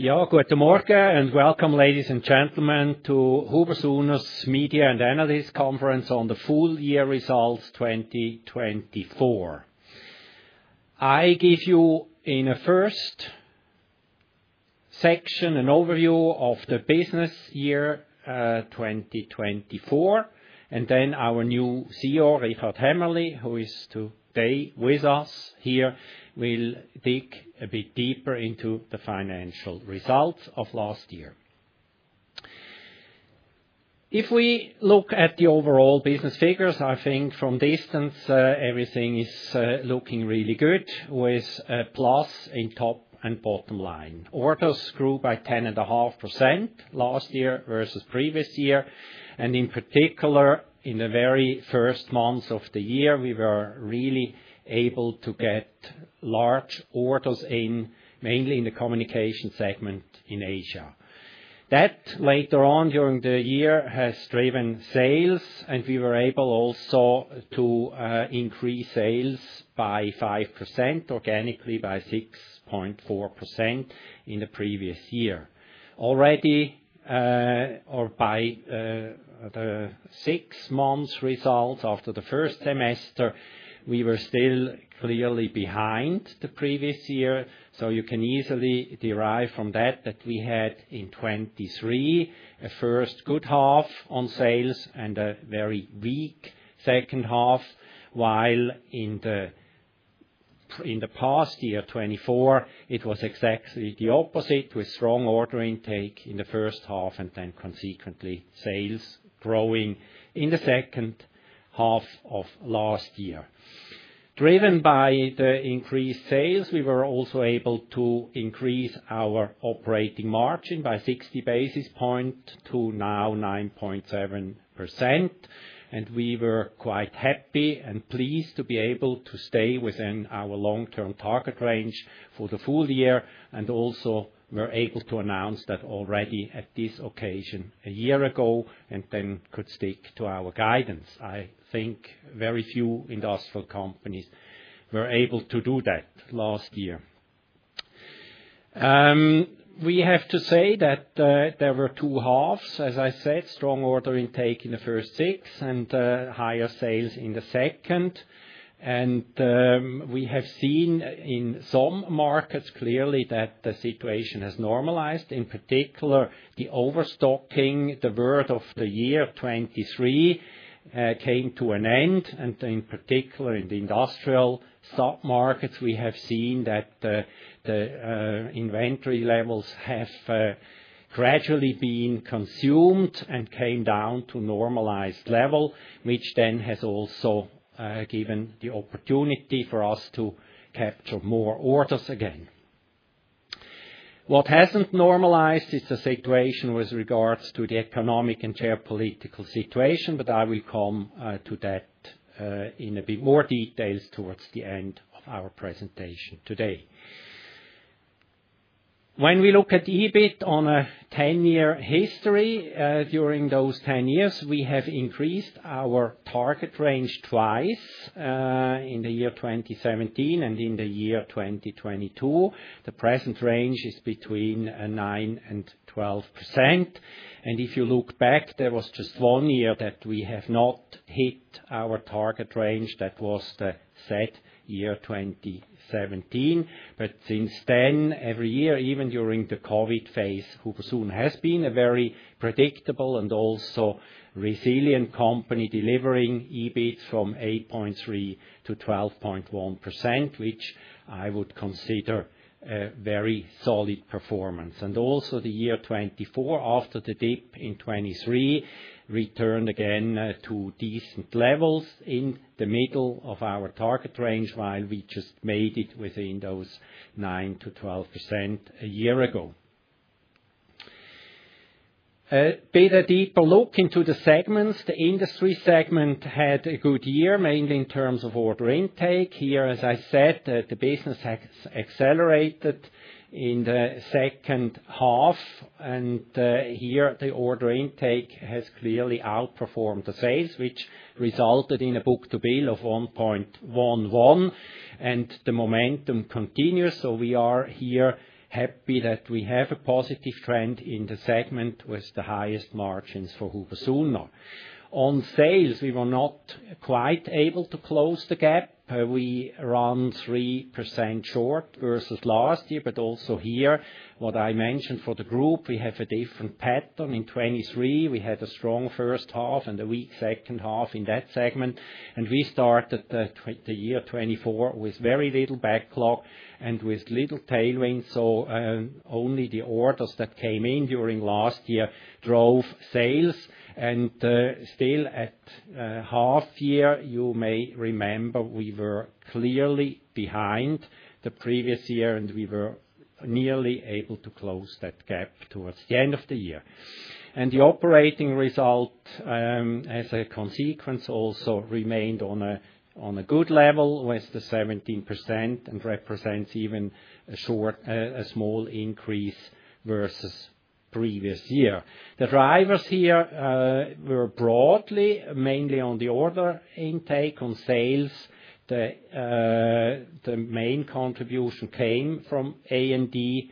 Yeah, good morning and welcome, ladies and gentlemen, to HUBER+SUHNER's Media and Analysts' Conference on the Full-year Results 2024. I give you, in a first section, an overview of the business year 2024, and then our new CEO, Richard Hämmerli, who is today with us here, will dig a bit deeper into the financial results of last year. If we look at the overall business figures, I think from distance everything is looking really good, with a plus in top and bottom line. Orders grew by 10.5% last year versus the previous year, and in particular, in the very first months of the year, we were really able to get large orders in, mainly in the communication segment in Asia. That, later on during the year, has driven sales, and we were able also to increase sales by 5%, organically by 6.4% in the previous year. Already, or by the six months' results after the first semester, we were still clearly behind the previous year, so you can easily derive from that that we had in 2023 a first good half on sales and a very weak second half, while in the past year, 2024, it was exactly the opposite, with strong order intake in the first half and then consequently sales growing in the second half of last year. Driven by the increased sales, we were also able to increase our operating margin by 60 basis points to now 9.7%, and we were quite happy and pleased to be able to stay within our long-term target range for the full year, and also were able to announce that already at this occasion a year ago and then could stick to our guidance. I think very few industrial companies were able to do that last year. We have to say that there were two halves, as I said, strong order intake in the first six and higher sales in the second, and we have seen in some markets clearly that the situation has normalized, in particular the overstocking. The word of the year 2023 came to an end, and in particular in the industrial sub-markets, we have seen that the inventory levels have gradually been consumed and came down to a normalized level, which then has also given the opportunity for us to capture more orders again. What has not normalized is the situation with regards to the economic and geopolitical situation, but I will come to that in a bit more detail towards the end of our presentation today. When we look at EBIT on a 10-year history, during those 10 years, we have increased our target range twice in the year 2017 and in the year 2022. The present range is between 9-12%, and if you look back, there was just one year that we have not hit our target range that was set year 2017, but since then, every year, even during the COVID phase, HUBER+SUHNER has been a very predictable and also resilient company delivering EBIT from 8.3% to 12.1%, which I would consider a very solid performance. Also the year 2024, after the dip in 2023, returned again to decent levels in the middle of our target range, while we just made it within those 9-12% a year ago. A bit a deeper look into the segments, the industry segment had a good year, mainly in terms of order intake. Here, as I said, the business accelerated in the second half, and here the order intake has clearly outperformed the sales, which resulted in a book-to-bill of 1.11, and the momentum continues, so we are here happy that we have a positive trend in the segment with the highest margins for HUBER+SUHNER. On sales, we were not quite able to close the gap. We ran 3% short versus last year, but also here, what I mentioned for the group, we have a different pattern. In 2023, we had a strong first half and a weak second half in that segment, and we started the year 2024 with very little backlog and with little tailoring, so only the orders that came in during last year drove sales. At half year, you may remember we were clearly behind the previous year, and we were nearly able to close that gap towards the end of the year. The operating result, as a consequence, also remained on a good level with the 17% and represents even a small increase versus the previous year. The drivers here were broadly, mainly on the order intake, on sales. The main contribution came from A&D,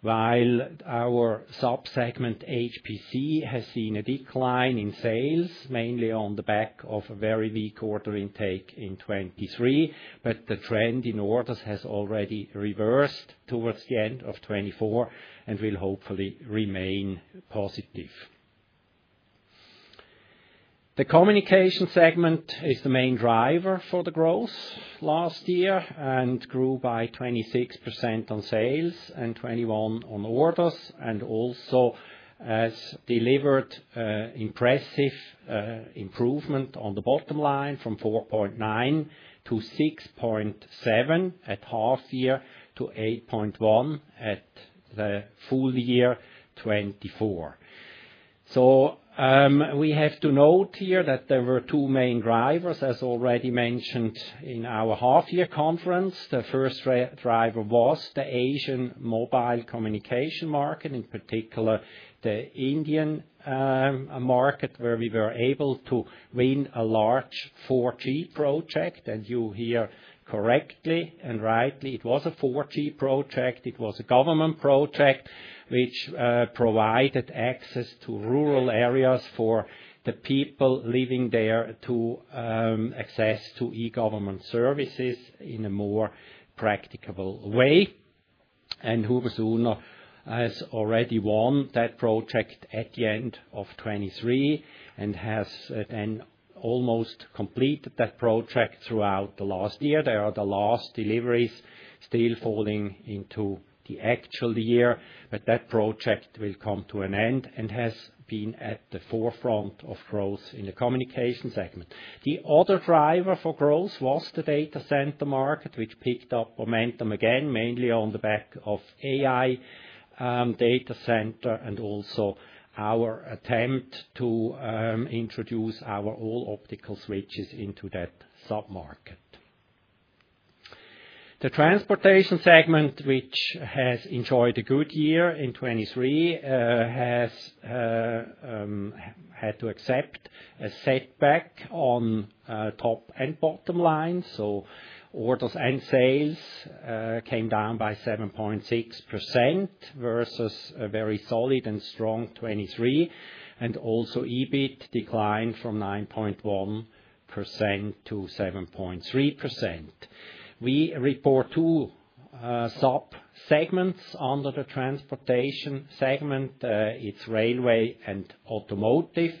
while our sub-segment HPC has seen a decline in sales, mainly on the back of a very weak order intake in 2023, but the trend in orders has already reversed towards the end of 2024 and will hopefully remain positive. The communication segment is the main driver for the growth last year and grew by 26% on sales and 21% on orders, and also has delivered impressive improvement on the bottom line from 4.9% to 6.7% at half year to 8.1% at the full year 2024. We have to note here that there were two main drivers, as already mentioned in our half-year conference. The first driver was the Asian mobile communication market, in particular the Indian market, where we were able to win a large 4G project, and you hear correctly and rightly it was a 4G project. It was a government project which provided access to rural areas for the people living there to access e-government services in a more practicable way. Huber+Suhner has already won that project at the end of 2023 and has then almost completed that project throughout the last year. There are the last deliveries still falling into the actual year, but that project will come to an end and has been at the forefront of growth in the communication segment. The other driver for growth was the data center market, which picked up momentum again, mainly on the back of AI data center and also our attempt to introduce our all-optical switches into that sub-market. The transportation segment, which has enjoyed a good year in 2023, has had to accept a setback on top and bottom line, so orders and sales came down by 7.6% versus a very solid and strong 2023, and also EBIT declined from 9.1% to 7.3%. We report two sub-segments under the transportation segment. It's railway and automotive,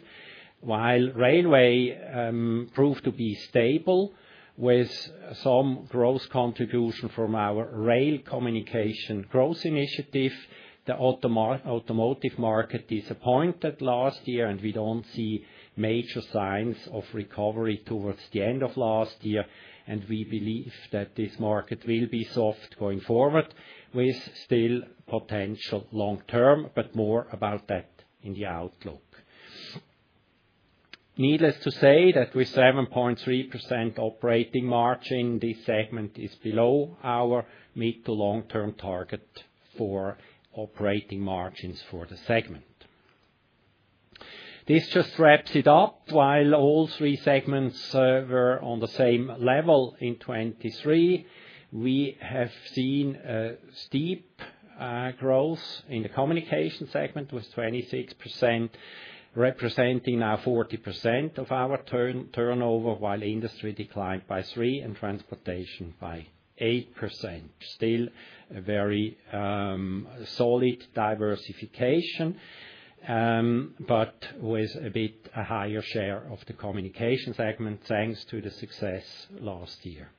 while railway proved to be stable with some gross contribution from our rail communication growth initiative. The automotive market disappointed last year, and we do not see major signs of recovery towards the end of last year, and we believe that this market will be soft going forward with still potential long-term, but more about that in the outlook. Needless to say that with 7.3% operating margin, this segment is below our mid to long-term target for operating margins for the segment. This just wraps it up. While all three segments were on the same level in 2023, we have seen steep growth in the communication segment with 26% representing now 40% of our turnover, while industry declined by 3% and transportation by 8%. Still a very solid diversification, but with a bit higher share of the communication segment thanks to the success last year.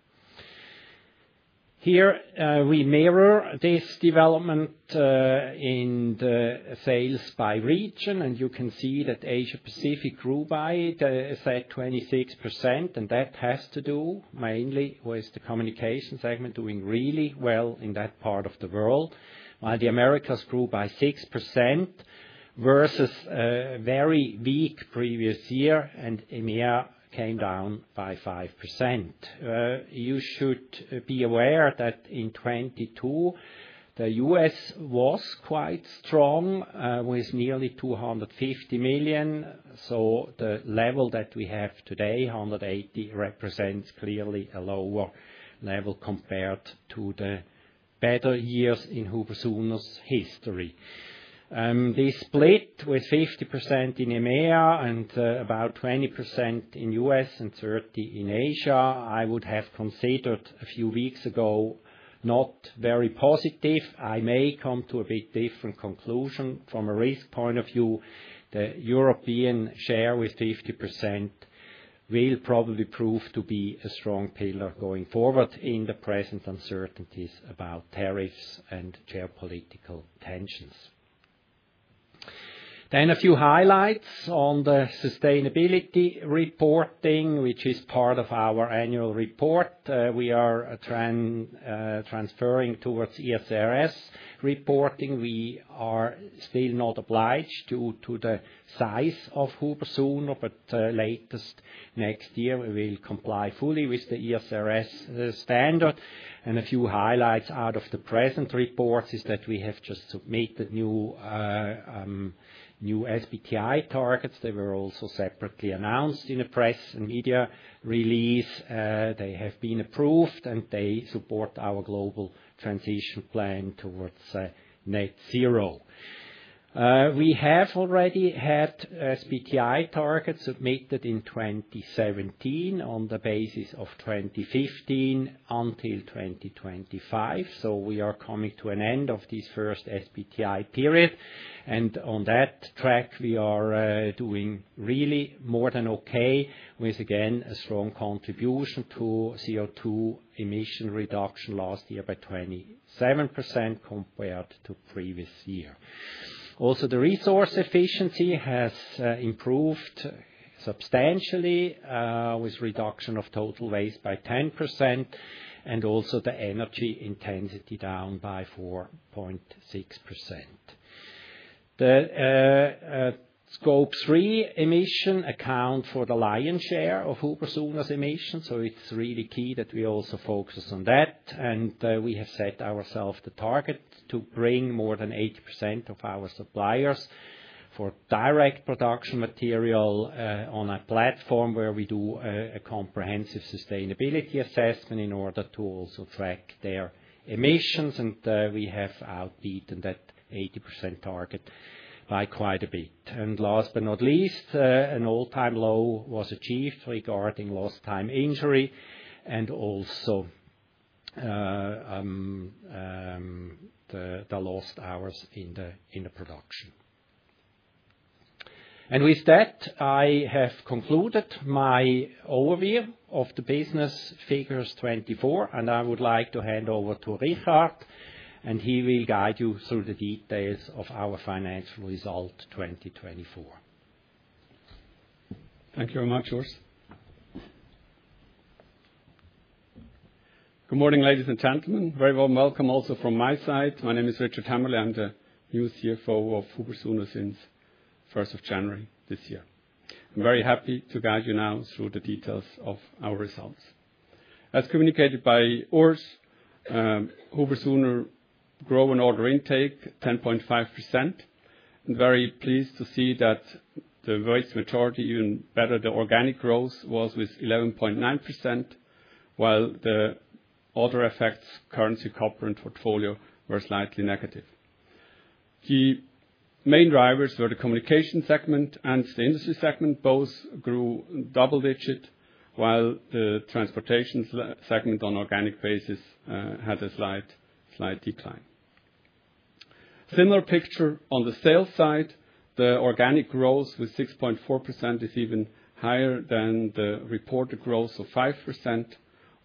Here we mirror this development in the sales by region, and you can see that Asia-Pacific grew by 26%, and that has to do mainly with the communication segment doing really well in that part of the world, while the Americas grew by 6% versus a very weak previous year, and EMEA came down by 5%. You should be aware that in 2022, the U.S. was quite strong with nearly 250 million, so the level that we have today, 180 million, represents clearly a lower level compared to the better years in HUBER+SUHNER's history. This split with 50% in EMEA and about 20% in U.S. and 30% in Asia, I would have considered a few weeks ago not very positive. I may come to a bit different conclusion from a risk point of view. The European share with 50% will probably prove to be a strong pillar going forward in the present uncertainties about tariffs and geopolitical tensions. A few highlights on the sustainability reporting, which is part of our annual report. We are transferring towards ESRS reporting. We are still not obliged to the size of HUBER+SUHNER, but latest next year we will comply fully with the ESRS standard. A few highlights out of the present reports is that we have just submitted new SBTi targets. They were also separately announced in a press and media release. They have been approved, and they support our global transition plan towards net zero. We have already had SBTi targets submitted in 2017 on the basis of 2015 until 2025, so we are coming to an end of this first SBTi period. On that track, we are doing really more than okay with, again, a strong contribution to CO2 emission reduction last year by 27% compared to previous year. Also, the resource efficiency has improved substantially with reduction of total waste by 10% and also the energy intensity down by 4.6%. The Scope 3 emission accounts for the lion's share of HUBER+SUHNER's emission, so it's really key that we also focus on that, and we have set ourselves the target to bring more than 80% of our suppliers for direct production material on a platform where we do a comprehensive sustainability assessment in order to also track their emissions, and we have outbeaten that 80% target by quite a bit. Last but not least, an all-time low was achieved regarding lost time injury and also the lost hours in the production. With that, I have concluded my overview of the business figures 2024, and I would like to hand over to Richard, and he will guide you through the details of our financial result 2024. Thank you very much, Urs. Good morning, ladies and gentlemen. Very warm welcome also from my side. My name is Richard Hämmerli. I'm the new CFO of HUBER+SUHNER since 1st of January this year. I'm very happy to guide you now through the details of our results. As communicated by Urs, HUBER+SUHNER grew in order intake 10.5%, and very pleased to see that the vast majority, even better, the organic growth was with 11.9%, while the other effects, currency, copper and portfolio were slightly negative. The main drivers were the communication segment and the industry segment. Both grew double-digit, while the transportation segment on organic basis had a slight decline. Similar picture on the sales side. The organic growth with 6.4% is even higher than the reported growth of 5%.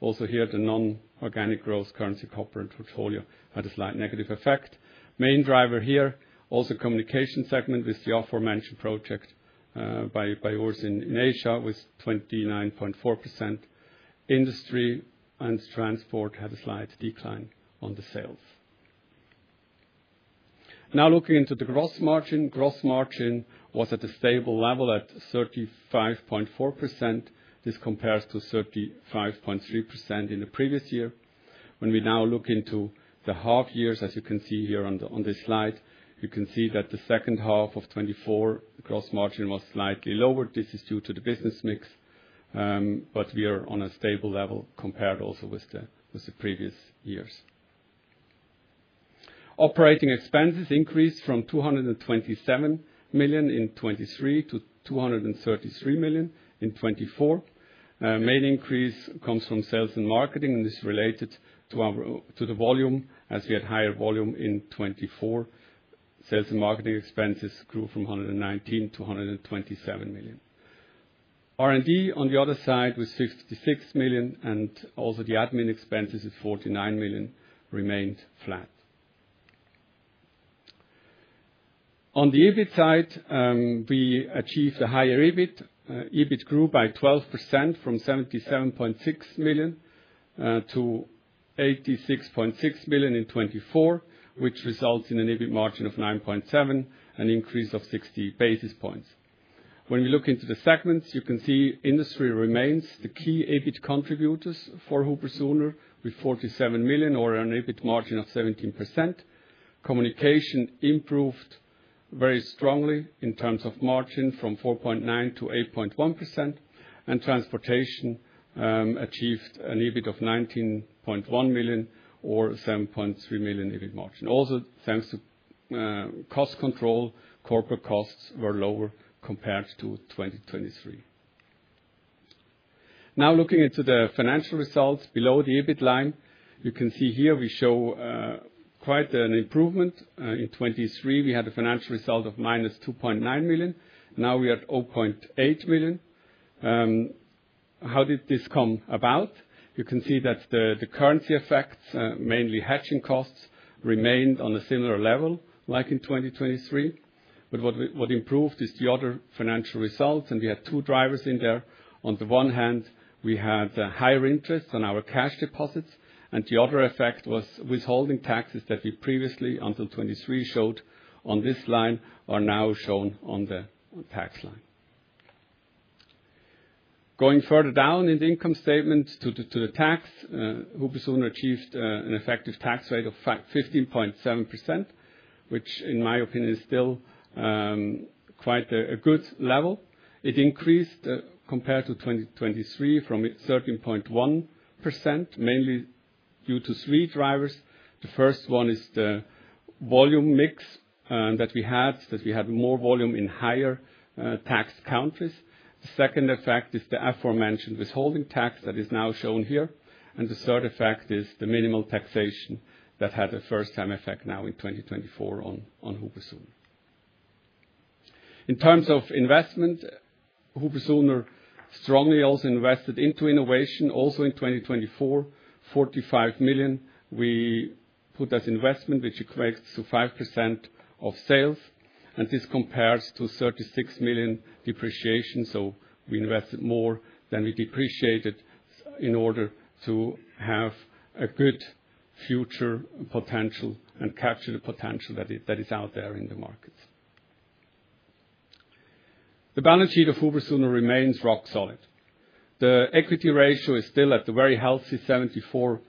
Also here, the non-organic growth, currency, copper and portfolio had a slight negative effect. Main driver here, also communication segment with the aforementioned project by Urs in Asia with 29.4%. Industry and transport had a slight decline on the sales. Now looking into the gross margin, gross margin was at a stable level at 35.4%. This compares to 35.3% in the previous year. When we now look into the half years, as you can see here on this slide, you can see that the second half of 2024, the gross margin was slightly lower. This is due to the business mix, but we are on a stable level compared also with the previous years. Operating expenses increased from 227 million in 2023 to 233 million in 2024. Main increase comes from sales and marketing, and this is related to the volume as we had higher volume in 2024. Sales and marketing expenses grew from 119 million to 127 million. R&D on the other side was 56 million, and also the admin expenses of 49 million remained flat. On the EBIT side, we achieved a higher EBIT. EBIT grew by 12% from 77.6 million to 86.6 million in 2024, which results in an EBIT margin of 9.7%, an increase of 60 basis points. When we look into the segments, you can see industry remains the key EBIT contributor for HUBER+SUHNER with 47 million or an EBIT margin of 17%. Communication improved very strongly in terms of margin from 4.9% to 8.1%, and transportation achieved an EBIT of 19.1 million or 7.3% EBIT margin. Also, thanks to cost control, corporate costs were lower compared to 2023. Now looking into the financial results below the EBIT line, you can see here we show quite an improvement. In 2023, we had a financial result of minus 2.9 million. Now we are at 0.8 million. How did this come about? You can see that the currency effects, mainly hedging costs, remained on a similar level like in 2023, but what improved is the other financial results, and we had two drivers in there. On the one hand, we had higher interest on our cash deposits, and the other effect was withholding taxes that we previously until 2023 showed on this line are now shown on the tax line. Going further down in the income statement to the tax, HUBER+SUHNER achieved an effective tax rate of 15.7%, which in my opinion is still quite a good level. It increased compared to 2023 from 13.1%, mainly due to three drivers. The first one is the volume mix that we had, that we had more volume in higher taxed countries. The second effect is the aforementioned withholding tax that is now shown here, and the third effect is the minimal taxation that had a first-time effect now in 2024 on HUBER+SUHNER. In terms of investment, HUBER+SUHNER strongly also invested into innovation. Also in 2024, 45 million we put as investment, which equates to 5% of sales, and this compares to 36 million depreciation, so we invested more than we depreciated in order to have a good future potential and capture the potential that is out there in the markets. The balance sheet of HUBER+SUHNER remains rock solid. The equity ratio is still at the very healthy 74%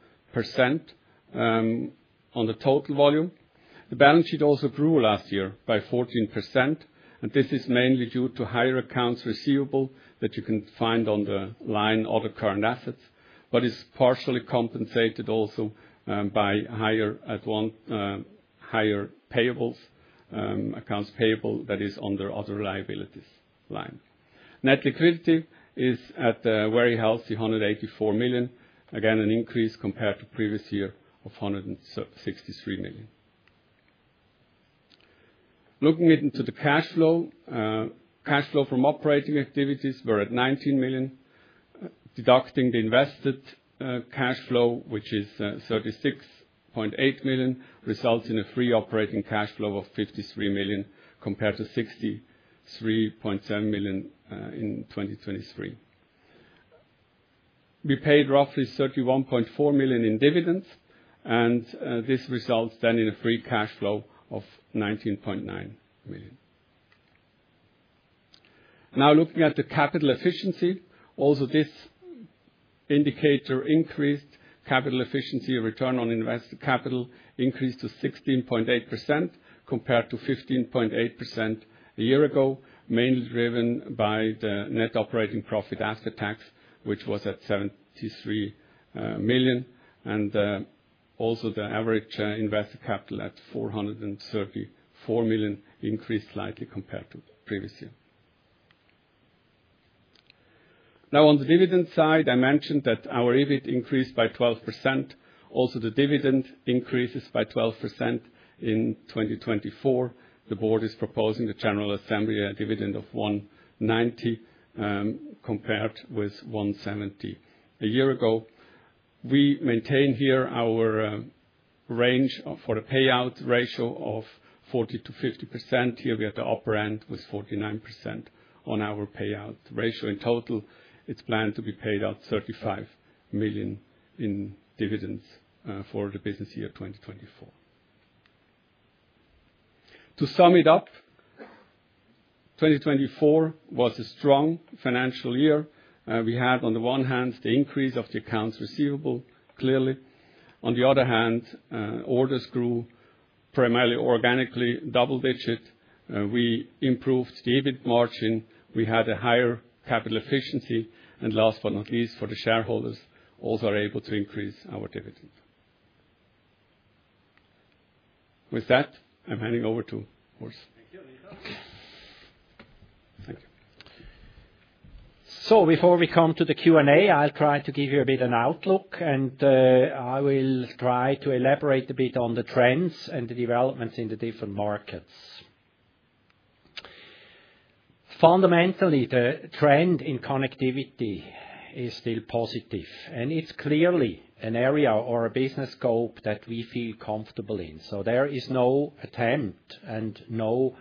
on the total volume. The balance sheet also grew last year by 14%, and this is mainly due to higher accounts receivable that you can find on the line other current assets, but is partially compensated also by higher payables, accounts payable that is under other liabilities line. Net liquidity is at the very healthy 184 million, again an increase compared to previous year of 163 million. Looking into the cash flow, cash flow from operating activities were at 19 million. Deducting the invested cash flow, which is 36.8 million, results in a free operating cash flow of 53 million compared to 63.7 million in 2023. We paid roughly 31.4 million in dividends, and this results then in a free cash flow of 19.9 million. Now looking at the capital efficiency, also this indicator increased. Capital efficiency, return on invested capital increased to 16.8% compared to 15.8% a year ago, mainly driven by the net operating profit after tax, which was at 73 million, and also the average invested capital at 434 million increased slightly compared to previous year. Now on the dividend side, I mentioned that our EBIT increased by 12%. Also the dividend increases by 12% in 2024. The board is proposing the general assembly dividend of 1.90 compared with 1.70 a year ago. We maintain here our range for the payout ratio of 40-50%. Here we have the upper end with 49% on our payout ratio. In total, it is planned to be paid out 35 million in dividends for the business year 2024. To sum it up, 2024 was a strong financial year. We had on the one hand the increase of the accounts receivable clearly. On the other hand, orders grew primarily organically, double-digit. We improved the EBIT margin. We had a higher capital efficiency, and last but not least for the shareholders, also are able to increase our dividend. With that, I'm handing over to Urs. Thank you. Thank you. Before we come to the Q&A, I'll try to give you a bit of an outlook, and I will try to elaborate a bit on the trends and the developments in the different markets. Fundamentally, the trend in connectivity is still positive, and it's clearly an area or a business scope that we feel comfortable in. There is no attempt and no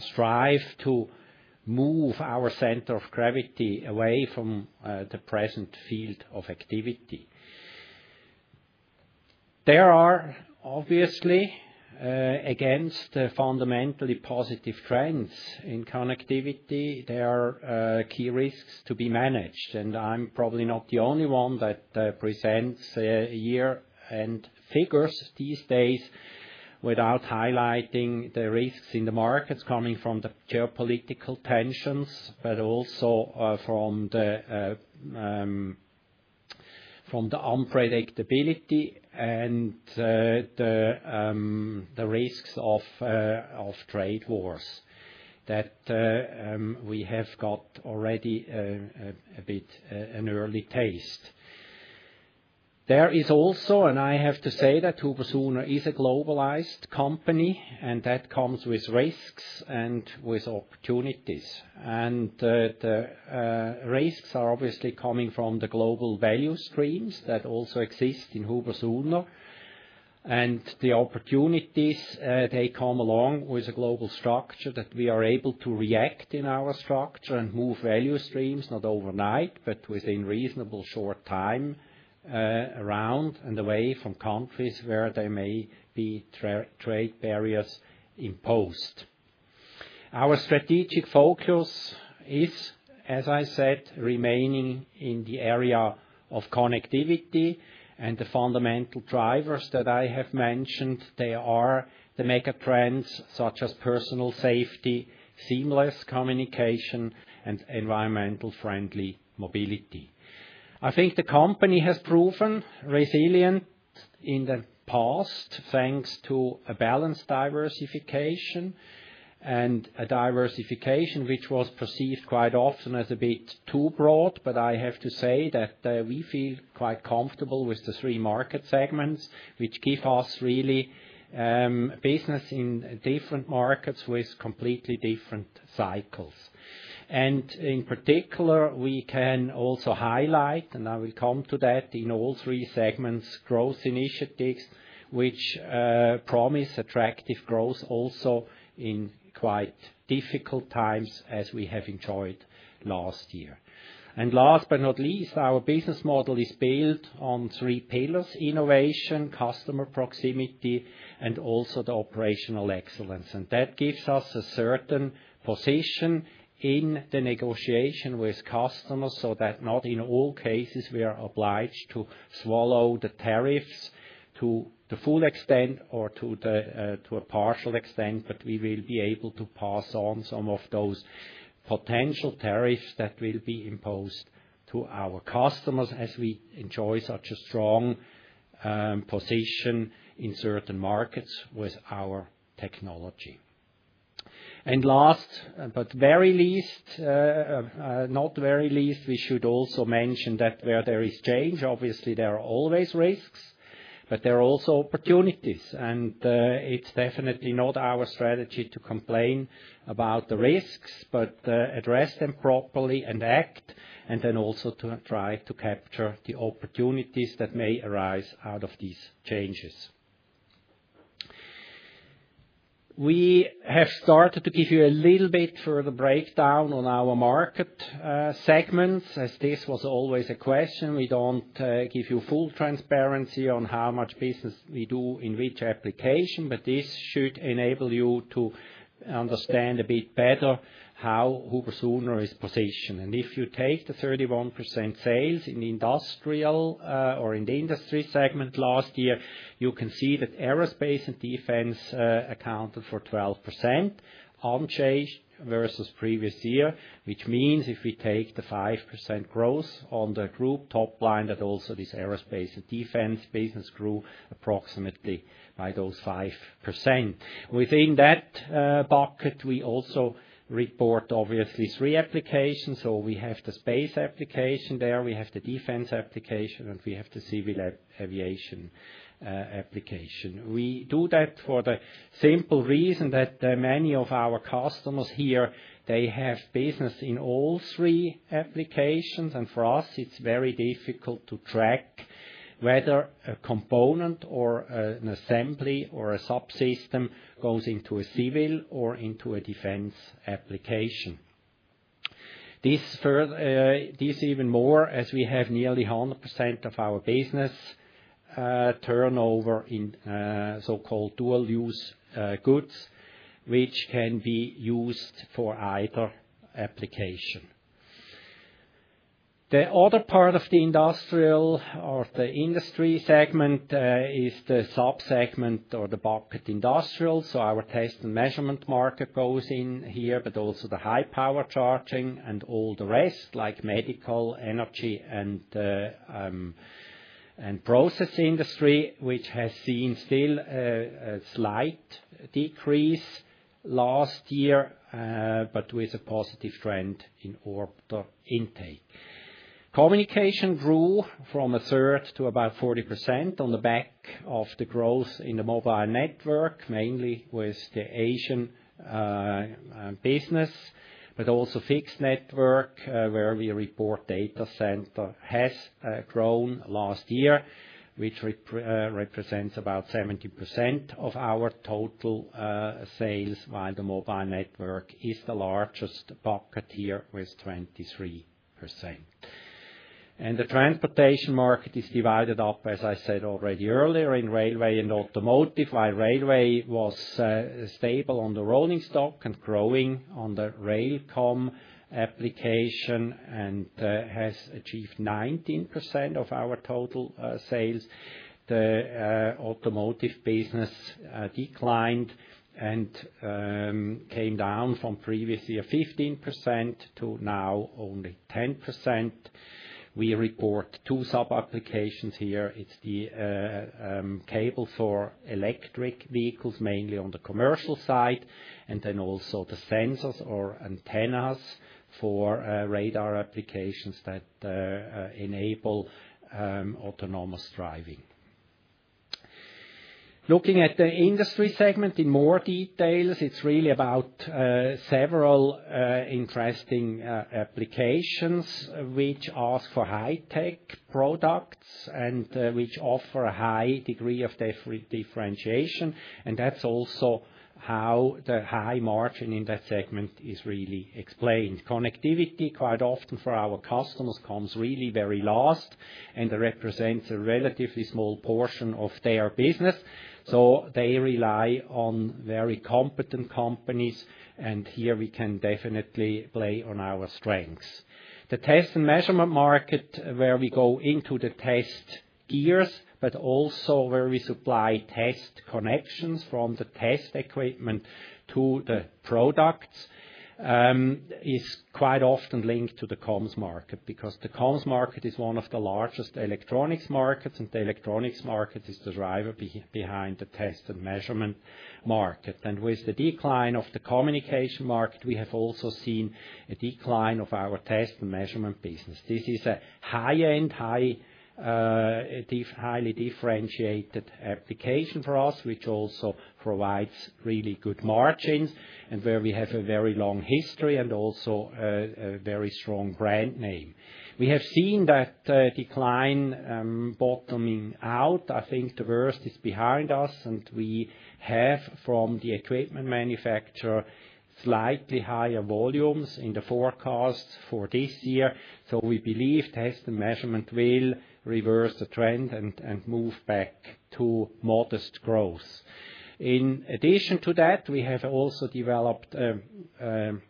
strive to move our center of gravity away from the present field of activity. There are obviously, against fundamentally positive trends in connectivity, key risks to be managed. I'm probably not the only one that presents year-end figures these days without highlighting the risks in the markets coming from the geopolitical tensions, but also from the unpredictability and the risks of trade wars that we have got already a bit an early taste. There is also, and I have to say that HUBER+SUHNER is a globalized company, and that comes with risks and with opportunities. The risks are obviously coming from the global value streams that also exist in HUBER+SUHNER, and the opportunities, they come along with a global structure that we are able to react in our structure and move value streams, not overnight, but within reasonable short time, around and away from countries where there may be trade barriers imposed. Our strategic focus is, as I said, remaining in the area of connectivity, and the fundamental drivers that I have mentioned, they are the mega trends such as personal safety, seamless communication, and environmental friendly mobility. I think the company has proven resilient in the past thanks to a balanced diversification and a diversification which was perceived quite often as a bit too broad, but I have to say that we feel quite comfortable with the three market segments which give us really business in different markets with completely different cycles. In particular, we can also highlight, and I will come to that in all three segments, growth initiatives which promise attractive growth also in quite difficult times as we have enjoyed last year. Last but not least, our business model is built on three pillars: innovation, customer proximity, and also the operational excellence. That gives us a certain position in the negotiation with customers so that not in all cases we are obliged to swallow the tariffs to the full extent or to a partial extent, but we will be able to pass on some of those potential tariffs that will be imposed to our customers as we enjoy such a strong position in certain markets with our technology. Last but not least, we should also mention that where there is change, obviously there are always risks, but there are also opportunities, and it's definitely not our strategy to complain about the risks, but address them properly and act, and then also to try to capture the opportunities that may arise out of these changes. We have started to give you a little bit further breakdown on our market segments as this was always a question. We don't give you full transparency on how much business we do in which application, but this should enable you to understand a bit better how HUBER+SUHNER is positioned. If you take the 31% sales in the industry segment last year, you can see that aerospace and defense accounted for 12% unchanged versus previous year, which means if we take the 5% growth on the group top line that also this aerospace and defense business grew approximately by those 5%. Within that bucket, we also report obviously three applications, so we have the space application there, we have the defense application, and we have the civil aviation application. We do that for the simple reason that many of our customers here, they have business in all three applications, and for us it's very difficult to track whether a component or an assembly or a subsystem goes into a civil or into a defense application. This even more as we have nearly 100% of our business turnover in so-called dual-use goods, which can be used for either application. The other part of the industrial or the industry segment is the subsegment or the bucket industrial, so our test and measurement market goes in here, but also the high power charging and all the rest like medical, energy, and process industry, which has seen still a slight decrease last year, but with a positive trend in order intake. Communication grew from a third to about 40% on the back of the growth in the mobile network, mainly with the Asian business, but also fixed network where we report data center has grown last year, which represents about 70% of our total sales, while the mobile network is the largest bucket here with 23%. The transportation market is divided up, as I said already earlier, in railway and automotive, while railway was stable on the rolling stock and growing on the railcom application and has achieved 19% of our total sales. The automotive business declined and came down from previous year 15% to now only 10%. We report two sub-applications here. It's the cable for electric vehicles, mainly on the commercial side, and then also the sensors or antennas for radar applications that enable autonomous driving. Looking at the industry segment in more detail, it's really about several interesting applications which ask for high-tech products and which offer a high degree of differentiation, and that's also how the high margin in that segment is really explained. Connectivity quite often for our customers comes really very last and represents a relatively small portion of their business, so they rely on very competent companies, and here we can definitely play on our strengths. The test and measurement market where we go into the test gears, but also where we supply test connections from the test equipment to the products, is quite often linked to the comms market because the comms market is one of the largest electronics markets, and the electronics market is the driver behind the test and measurement market. With the decline of the communication market, we have also seen a decline of our test and measurement business. This is a high-end, highly differentiated application for us, which also provides really good margins and where we have a very long history and also a very strong brand name. We have seen that decline bottoming out. I think the worst is behind us, and we have from the equipment manufacturer slightly higher volumes in the forecast for this year, so we believe test and measurement will reverse the trend and move back to modest growth. In addition to that, we have also developed an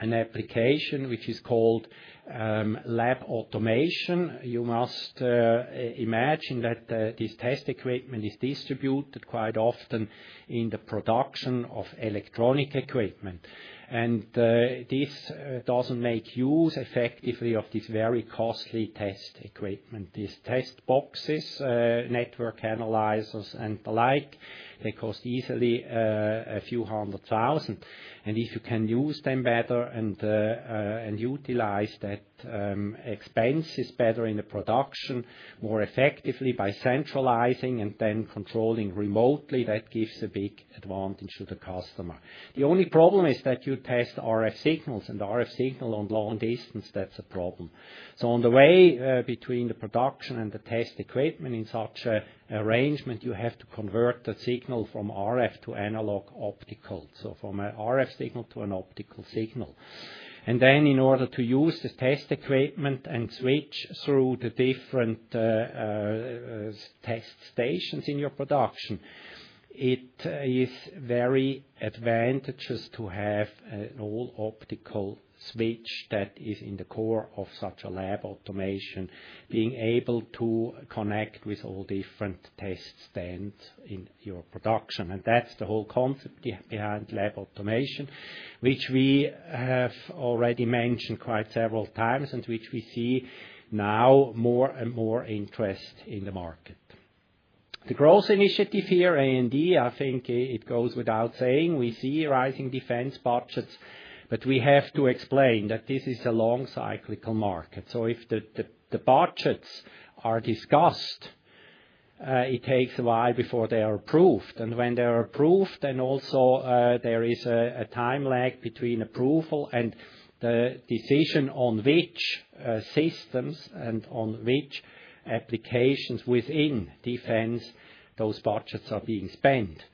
application which is called lab automation. You must imagine that this test equipment is distributed quite often in the production of electronic equipment, and this does not make use effectively of this very costly test equipment. These test boxes, network analyzers, and the like, they cost easily a few hundred thousand, and if you can use them better and utilize that expense better in the production more effectively by centralizing and then controlling remotely, that gives a big advantage to the customer. The only problem is that you test RF signals, and RF signal on long distance, that's a problem. On the way between the production and the test equipment in such arrangement, you have to convert the signal from RF to analog optical, so from an RF signal to an optical signal. In order to use the test equipment and switch through the different test stations in your production, it is very advantageous to have an all-optical switch that is in the core of such a lab automation, being able to connect with all different test stands in your production. That's the whole concept behind lab automation, which we have already mentioned quite several times and which we see now more and more interest in the market. The growth initiative here, A&D, I think it goes without saying, we see rising defense budgets, but we have to explain that this is a long cyclical market. If the budgets are discussed, it takes a while before they are approved, and when they are approved, there is a time lag between approval and the decision on which systems and on which applications within defense those budgets are being spent.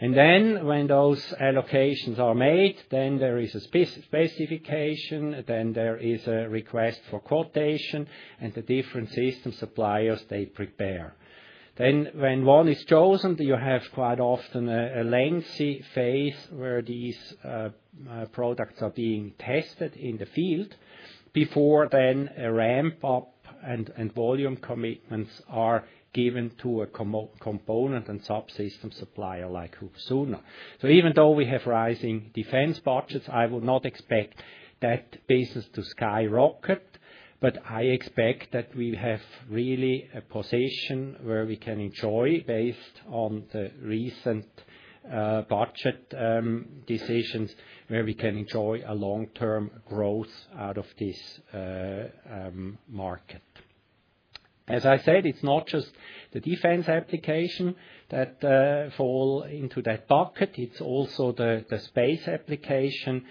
When those allocations are made, there is a specification, then there is a request for quotation, and the different system suppliers prepare. When one is chosen, you have quite often a lengthy phase where these products are being tested in the field before a ramp-up and volume commitments are given to a component and subsystem supplier like HUBER+SUHNER. Even though we have rising defense budgets, I will not expect that business to skyrocket, but I expect that we have really a position where we can enjoy, based on the recent budget decisions, a long-term growth out of this market. As I said, it is not just the defense application that falls into that bucket, it is also the space application,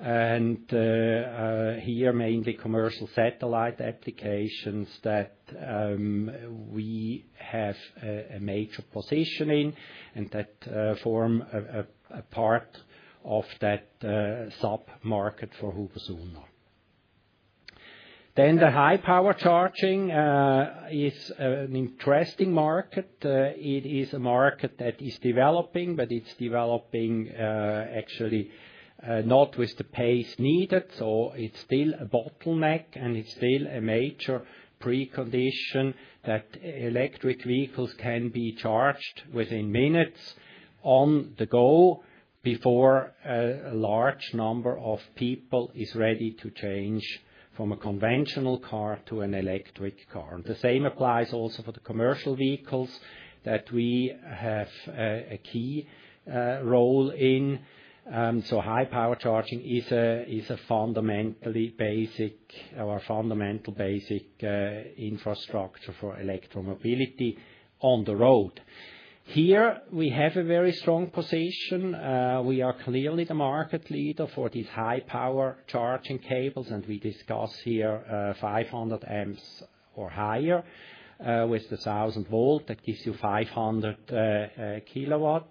and here mainly commercial satellite applications that we have a major position in and that form a part of that sub-market for HUBER+SUHNER. The high power charging is an interesting market. It is a market that is developing, but it's developing actually not with the pace needed, so it's still a bottleneck and it's still a major precondition that electric vehicles can be charged within minutes on the go before a large number of people is ready to change from a conventional car to an electric car. The same applies also for the commercial vehicles that we have a key role in, so high power charging is a fundamentally basic or fundamental basic infrastructure for electromobility on the road. Here we have a very strong position. We are clearly the market leader for these high power charging cables, and we discuss here 500 amps or higher with the 1,000 volt that gives you 500 kilowatt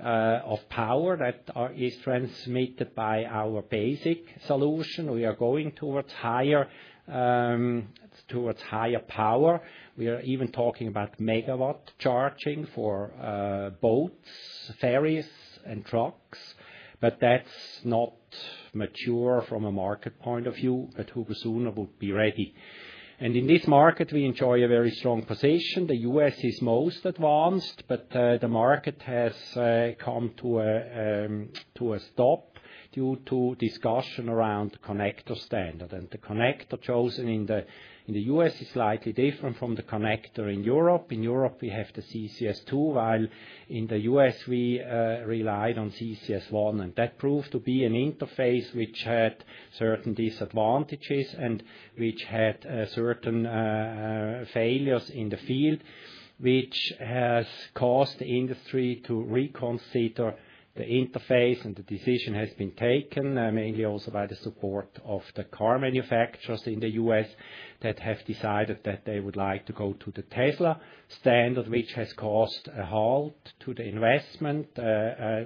of power that is transmitted by our basic solution. We are going towards higher power. We are even talking about megawatt charging for boats, ferries, and trucks, but that's not mature from a market point of view, but HUBER+SUHNER would be ready. In this market, we enjoy a very strong position. The U.S. is most advanced, but the market has come to a stop due to discussion around the connector standard, and the connector chosen in the U.S. is slightly different from the connector in Europe. In Europe, we have the CCS2, while in the U.S. we relied on CCS1, and that proved to be an interface which had certain disadvantages and which had certain failures in the field, which has caused the industry to reconsider the interface, and the decision has been taken mainly also by the support of the car manufacturers in the U.S. that have decided that they would like to go to the Tesla standard, which has caused a halt to the investment,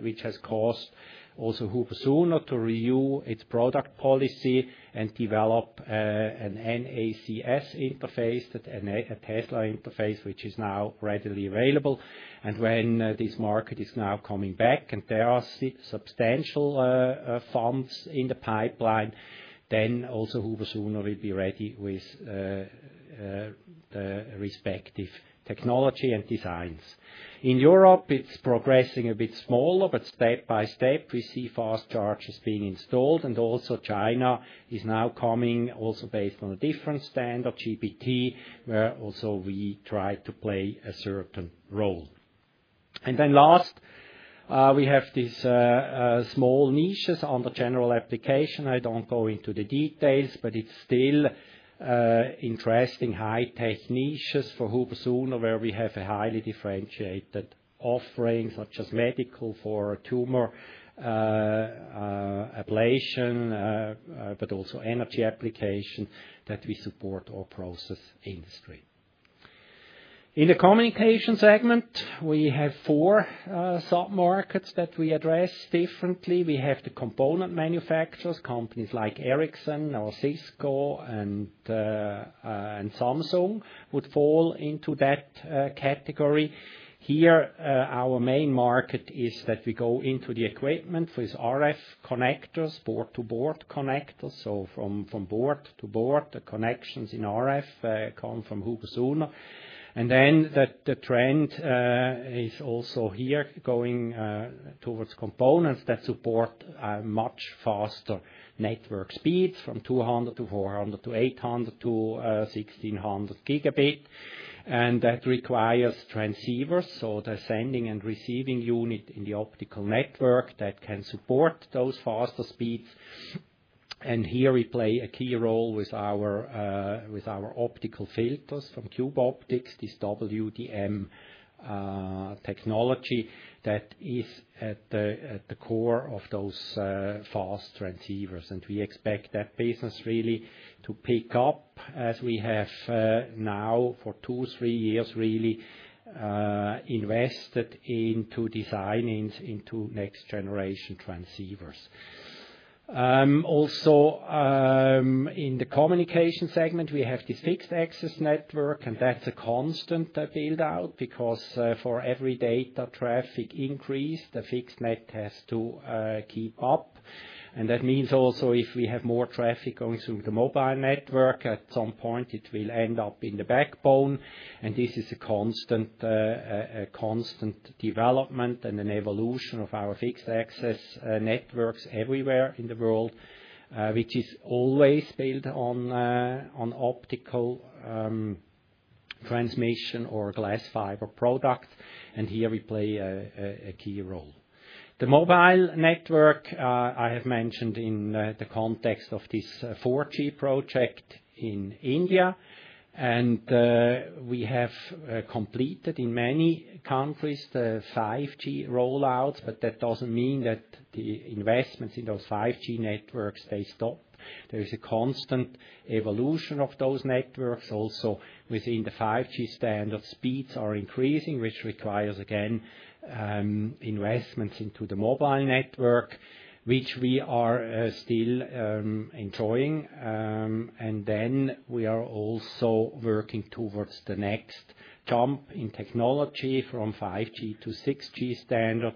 which has caused also HUBER+SUHNER to review its product policy and develop an NACS interface, a Tesla interface which is now readily available. When this market is now coming back and there are substantial funds in the pipeline, then also HUBER+SUHNER will be ready with the respective technology and designs. In Europe, it's progressing a bit smaller, but step by step we see fast chargers being installed. Also, China is now coming also based on a different standard, GPT, where also we try to play a certain role. Last, we have these small niches on the general application. I don't go into the details, but it's still interesting high-tech niches for HUBER+SUHNER where we have a highly differentiated offering such as medical for tumor ablation, but also energy application that we support our process industry. In the communication segment, we have four sub-markets that we address differently. We have the component manufacturers, companies like Ericsson, Cisco, and Samsung would fall into that category. Here, our main market is that we go into the equipment with RF connectors, port-to-board connectors, so from board to board, the connections in RF come from HUBER+SUHNER. The trend is also here going towards components that support much faster network speeds from 200 to 400 to 800 to 1,600 Gb, and that requires transceivers, so the sending and receiving unit in the optical network that can support those faster speeds. Here we play a key role with our optical filters from Cube Optics, this WDM technology that is at the core of those fast transceivers. We expect that business really to pick up as we have now for two, three years really invested into designing into next-generation transceivers. Also, in the communication segment, we have this fixed access network, and that is a constant build-out because for every data traffic increase, the fixed net has to keep up. That means also if we have more traffic going through the mobile network, at some point it will end up in the backbone, and this is a constant development and an evolution of our fixed access networks everywhere in the world, which is always built on optical transmission or glass fiber product, and here we play a key role. The mobile network, I have mentioned in the context of this 4G project in India, and we have completed in many countries the 5G rollouts, but that does not mean that the investments in those 5G networks stay stopped. There is a constant evolution of those networks. Also, within the 5G standard, speeds are increasing, which requires again investments into the mobile network, which we are still enjoying. We are also working towards the next jump in technology from 5G to 6G standard,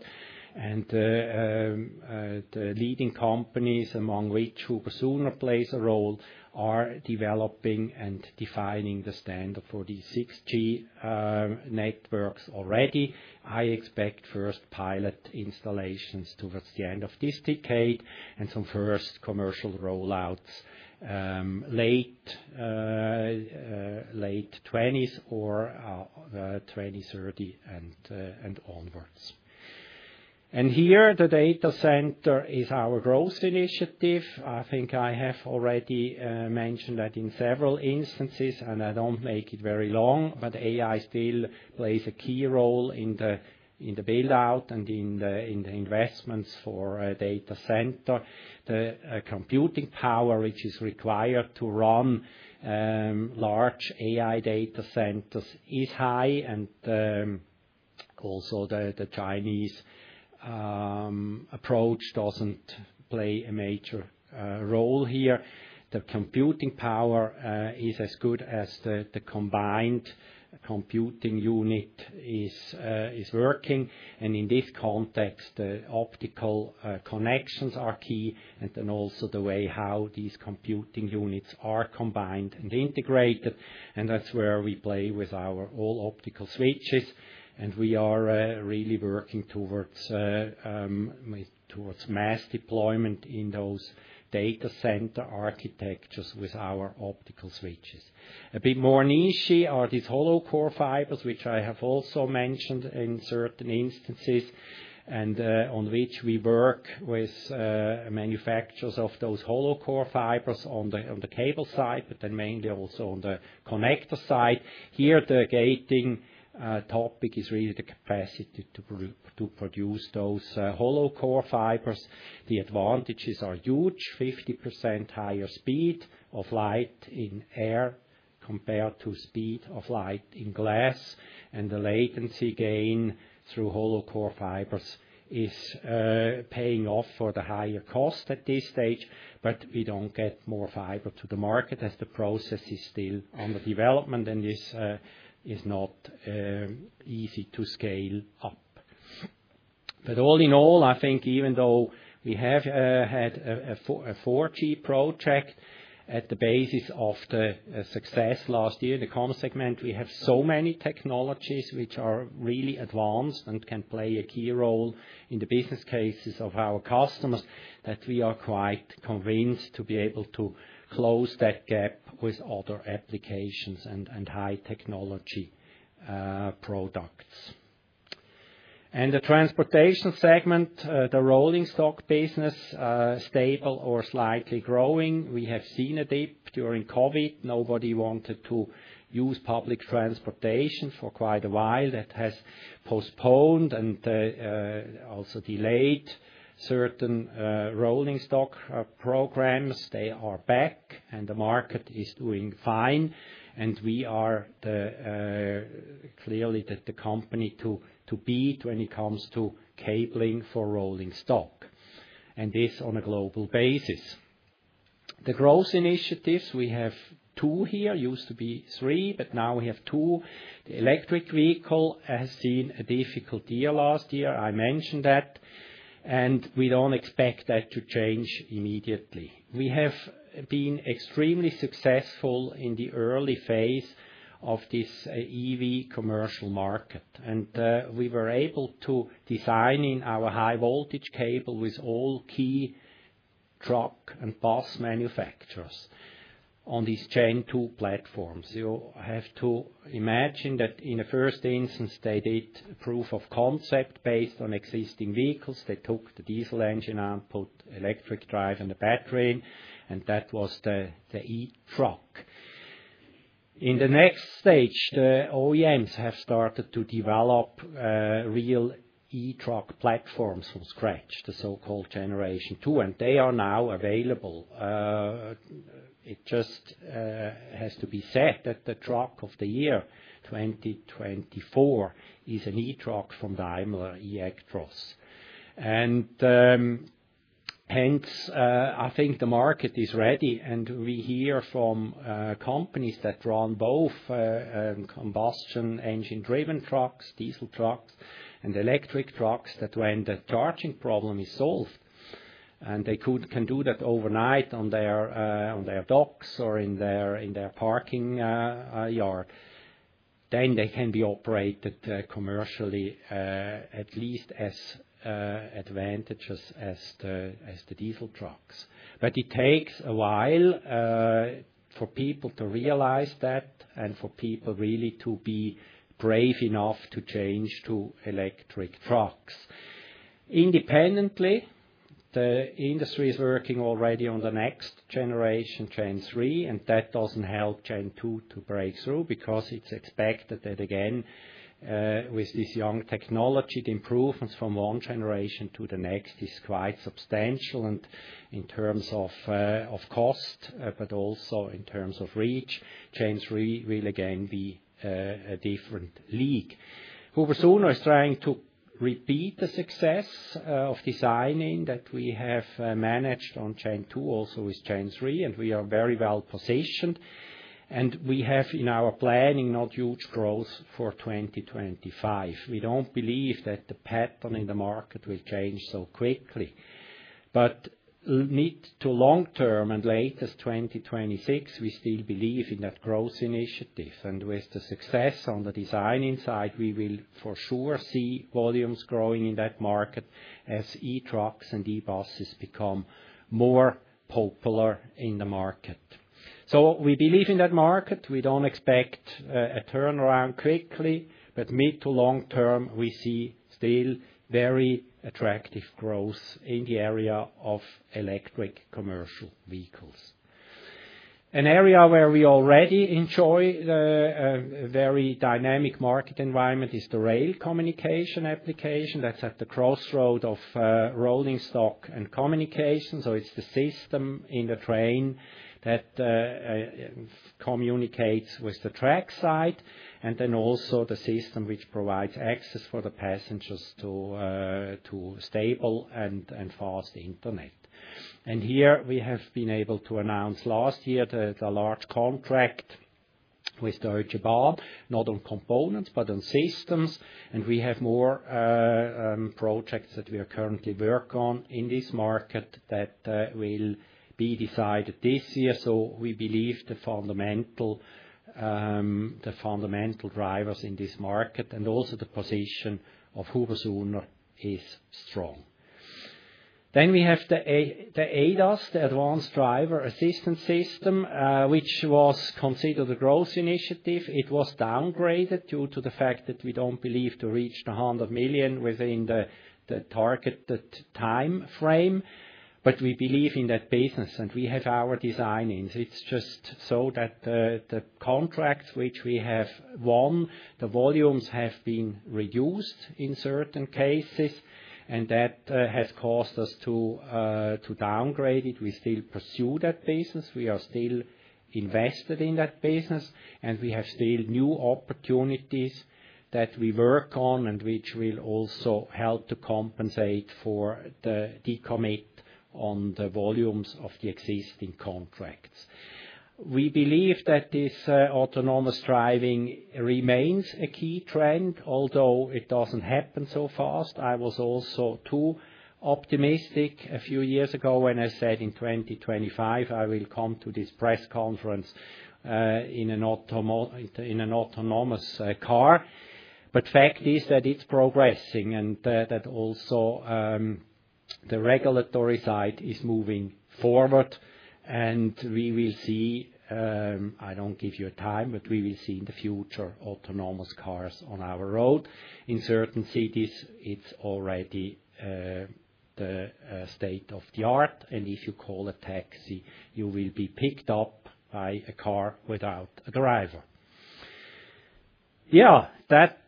and the leading companies, among which HUBER+SUHNER plays a role, are developing and defining the standard for these 6G networks already. I expect first pilot installations towards the end of this decade and some first commercial rollouts late 2020s or 2030 and onwards. Here, the data center is our growth initiative. I think I have already mentioned that in several instances, and I do not make it very long, but AI still plays a key role in the build-out and in the investments for data center. The computing power, which is required to run large AI data centers, is high, and also the Chinese approach does not play a major role here. The computing power is as good as the combined computing unit is working, and in this context, the optical connections are key, and then also the way how these computing units are combined and integrated, and that's where we play with our all-optical switches, and we are really working towards mass deployment in those data center architectures with our optical switches. A bit more niche are these hollow core fibers, which I have also mentioned in certain instances, and on which we work with manufacturers of those hollow core fibers on the cable side, but then mainly also on the connector side. Here, the gating topic is really the capacity to produce those hollow core fibers. The advantages are huge: 50% higher speed of light in air compared to speed of light in glass, and the latency gain through hollow core fibers is paying off for the higher cost at this stage, but we do not get more fiber to the market as the process is still under development, and this is not easy to scale up. All in all, I think even though we have had a 4G project at the basis of the success last year in the comms segment, we have so many technologies which are really advanced and can play a key role in the business cases of our customers that we are quite convinced to be able to close that gap with other applications and high-tech technology products. The transportation segment, the rolling stock business, stable or slightly growing. We have seen a dip during COVID. Nobody wanted to use public transportation for quite a while. That has postponed and also delayed certain rolling stock programs. They are back, and the market is doing fine, and we are clearly the company to beat when it comes to cabling for rolling stock, and this on a global basis. The growth initiatives, we have two here, used to be three, but now we have two. The electric vehicle has seen a difficult year last year. I mentioned that, and we do not expect that to change immediately. We have been extremely successful in the early phase of this EV commercial market, and we were able to design in our high-voltage cable with all key truck and bus manufacturers on these Gen2 platforms. You have to imagine that in the first instance, they did proof of concept based on existing vehicles. They took the diesel engine out, put electric drive and the battery in, and that was the e-truck. In the next stage, the OEMs have started to develop real e-truck platforms from scratch, the so-called Generation 2, and they are now available. It just has to be said that the truck of the year, 2024, is an e-truck from Daimler eActros. I think the market is ready, and we hear from companies that run both combustion engine-driven trucks, diesel trucks, and electric trucks that when the charging problem is solved, and they can do that overnight on their docks or in their parking yard, then they can be operated commercially at least as advantageous as the diesel trucks. It takes a while for people to realize that and for people really to be brave enough to change to electric trucks. Independently, the industry is working already on the next generation, Gen3, and that does not help Gen2 to break through because it is expected that again with this young technology, the improvements from one generation to the next is quite substantial in terms of cost, but also in terms of reach. Gen3 will again be a different league. Huber+Suhner is trying to repeat the success of designing that we have managed on Gen2 also with Gen3, and we are very well positioned, and we have in our planning not huge growth for 2025. We do not believe that the pattern in the market will change so quickly, but to long term and latest 2026, we still believe in that growth initiative, and with the success on the design inside, we will for sure see volumes growing in that market as e-trucks and e-buses become more popular in the market. We believe in that market. We don't expect a turnaround quickly, but mid to long term, we see still very attractive growth in the area of electric commercial vehicles. An area where we already enjoy a very dynamic market environment is the rail communication application. That's at the crossroad of rolling stock and communications. It is the system in the train that communicates with the trackside and then also the system which provides access for the passengers to stable and fast internet. Here we have been able to announce last year the large contract with Deutsche Bahn, not on components, but on systems, and we have more projects that we are currently working on in this market that will be decided this year. We believe the fundamental drivers in this market and also the position of HUBER+SUHNER is strong. We have the ADAS, the Advanced Driver Assistance System, which was considered a growth initiative. It was downgraded due to the fact that we do not believe to reach the 100 million within the targeted time frame, but we believe in that business, and we have our design in. It is just so that the contracts which we have won, the volumes have been reduced in certain cases, and that has caused us to downgrade it. We still pursue that business. We are still invested in that business, and we have still new opportunities that we work on and which will also help to compensate for the decommit on the volumes of the existing contracts. We believe that this autonomous driving remains a key trend, although it does not happen so fast. I was also too optimistic a few years ago when I said in 2025 I will come to this press conference in an autonomous car, but fact is that it's progressing and that also the regulatory side is moving forward, and we will see—I don't give you a time—but we will see in the future autonomous cars on our road. In certain cities, it's already the state of the art, and if you call a taxi, you will be picked up by a car without a driver. Yeah, that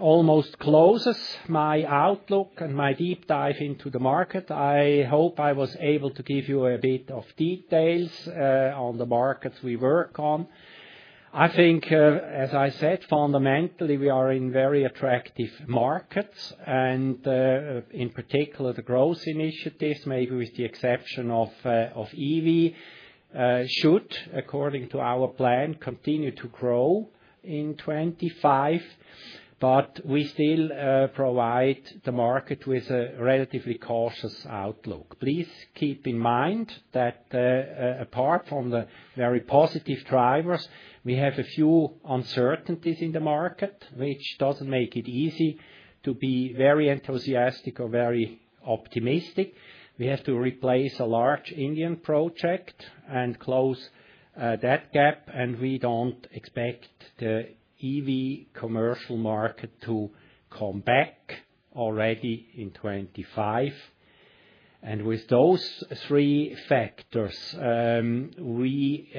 almost closes my outlook and my deep dive into the market. I hope I was able to give you a bit of details on the markets we work on. I think, as I said, fundamentally we are in very attractive markets, and in particular the growth initiatives, maybe with the exception of EV, should, according to our plan, continue to grow in 2025. We still provide the market with a relatively cautious outlook. Please keep in mind that apart from the very positive drivers, we have a few uncertainties in the market, which does not make it easy to be very enthusiastic or very optimistic. We have to replace a large Indian project and close that gap, and we do not expect the EV commercial market to come back already in 2025. With those three factors, we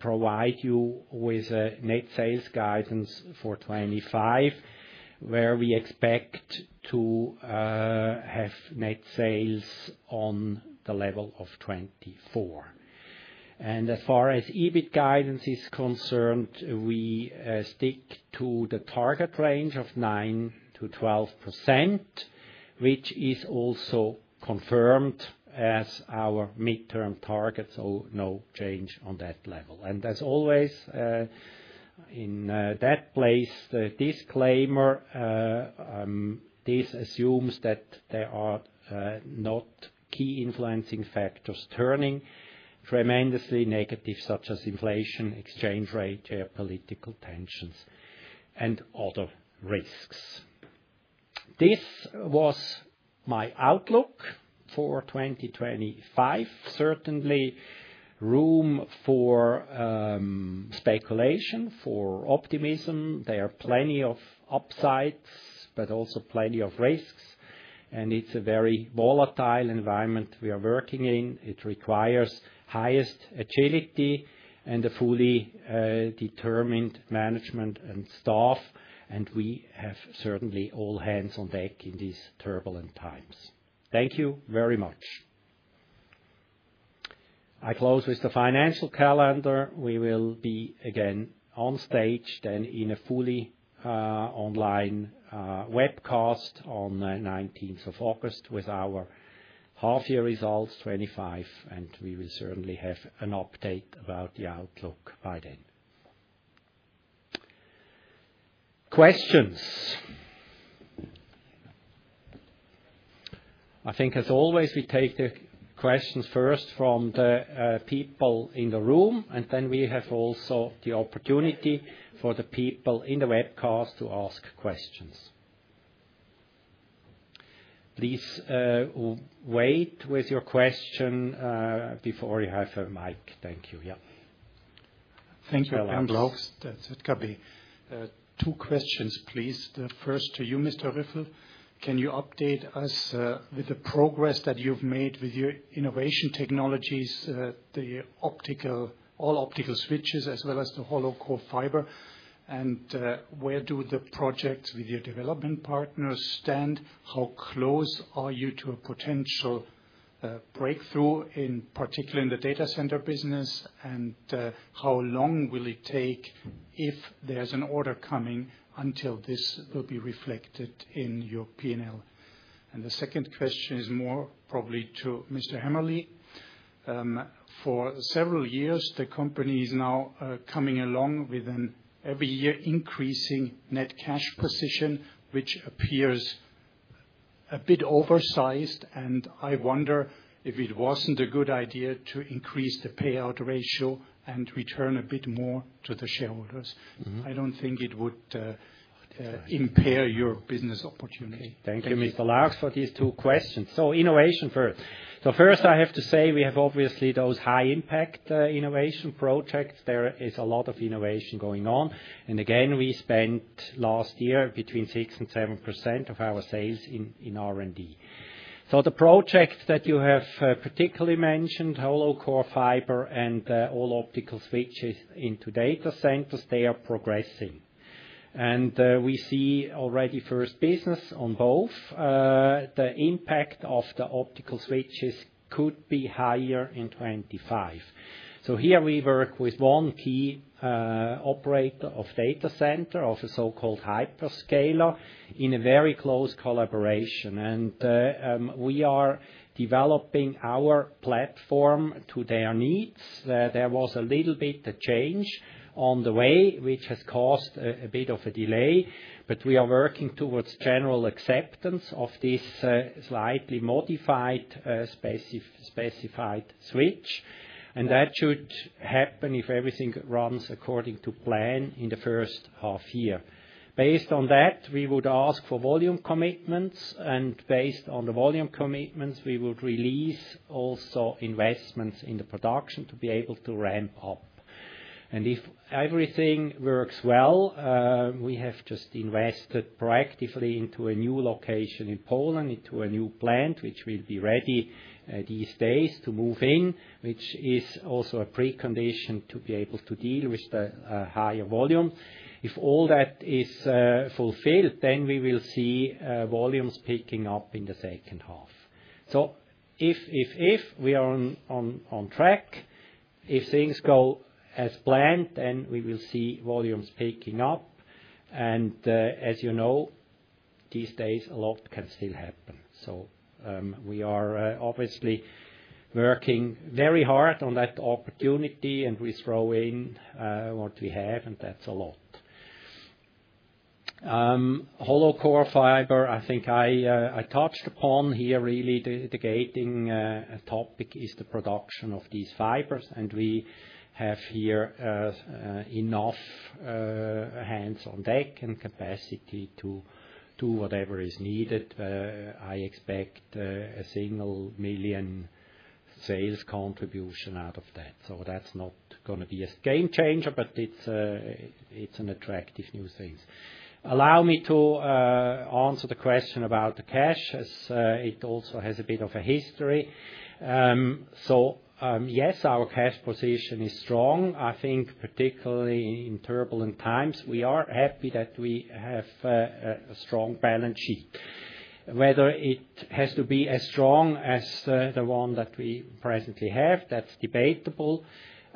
provide you with a net sales guidance for 2025, where we expect to have net sales on the level of 2024. As far as EBIT guidance is concerned, we stick to the target range of 9%-12%, which is also confirmed as our midterm target, so no change on that level. As always, in that place, the disclaimer assumes that there are not key influencing factors turning tremendously negative, such as inflation, exchange rate, geopolitical tensions, and other risks. This was my outlook for 2025. Certainly, room for speculation, for optimism. There are plenty of upsides, but also plenty of risks, and it's a very volatile environment we are working in. It requires highest agility and a fully determined management and staff, and we have certainly all hands on deck in these turbulent times. Thank you very much. I close with the financial calendar. We will be again on stage then in a fully online webcast on the 19th of August with our half-year results 2025, and we will certainly have an update about the outlook by then. Questions. I think as always, we take the questions first from the people in the room, and then we have also the opportunity for the people in the webcast to ask questions. Please wait with your question before you have a mic. Thank you. Yeah. Thank you, Adam Blochs. That's it, Gaby. Two questions, please. The first to you, Mr. Ryffel. Can you update us with the progress that you've made with your innovation technologies, the all-optical switches as well as the hollow core fibers? And where do the projects with your development partners stand? How close are you to a potential breakthrough, in particular in the data center business? How long will it take, if there is an order coming, until this will be reflected in your P&L? The second question is more probably to Mr. Hämmerli. For several years, the company is now coming along with an every-year increasing net cash position, which appears a bit oversized, and I wonder if it was not a good idea to increase the payout ratio and return a bit more to the shareholders. I do not think it would impair your business opportunity. Thank you, Mr. Laux, for these two questions. Innovation first. First, I have to say we have obviously those high-impact innovation projects. There is a lot of innovation going on. Again, we spent last year between 6% and 7% of our sales in R&D. The project that you have particularly mentioned, hollow core fiber and all-optical switches into data centers, they are progressing. We see already first business on both. The impact of the optical switches could be higher in 2025. Here we work with one key operator of data center, of a so-called hyperscaler, in a very close collaboration. We are developing our platform to their needs. There was a little bit of change on the way, which has caused a bit of a delay, but we are working towards general acceptance of this slightly modified specified switch. That should happen if everything runs according to plan in the first half year. Based on that, we would ask for volume commitments, and based on the volume commitments, we would release also investments in the production to be able to ramp up. If everything works well, we have just invested proactively into a new location in Poland, into a new plant, which will be ready these days to move in, which is also a precondition to be able to deal with the higher volume. If all that is fulfilled, we will see volumes picking up in the second half. If we are on track, if things go as planned, we will see volumes picking up. As you know, these days, a lot can still happen. We are obviously working very hard on that opportunity, and we throw in what we have, and that is a lot. Hollow core fiber, I think I touched upon here. Really, the gating topic is the production of these fibers, and we have here enough hands on deck and capacity to do whatever is needed. I expect a single million sales contribution out of that. That is not going to be a game changer, but it is an attractive new thing. Allow me to answer the question about the cash, as it also has a bit of a history. Yes, our cash position is strong. I think particularly in turbulent times, we are happy that we have a strong balance sheet. Whether it has to be as strong as the one that we presently have, that is debatable.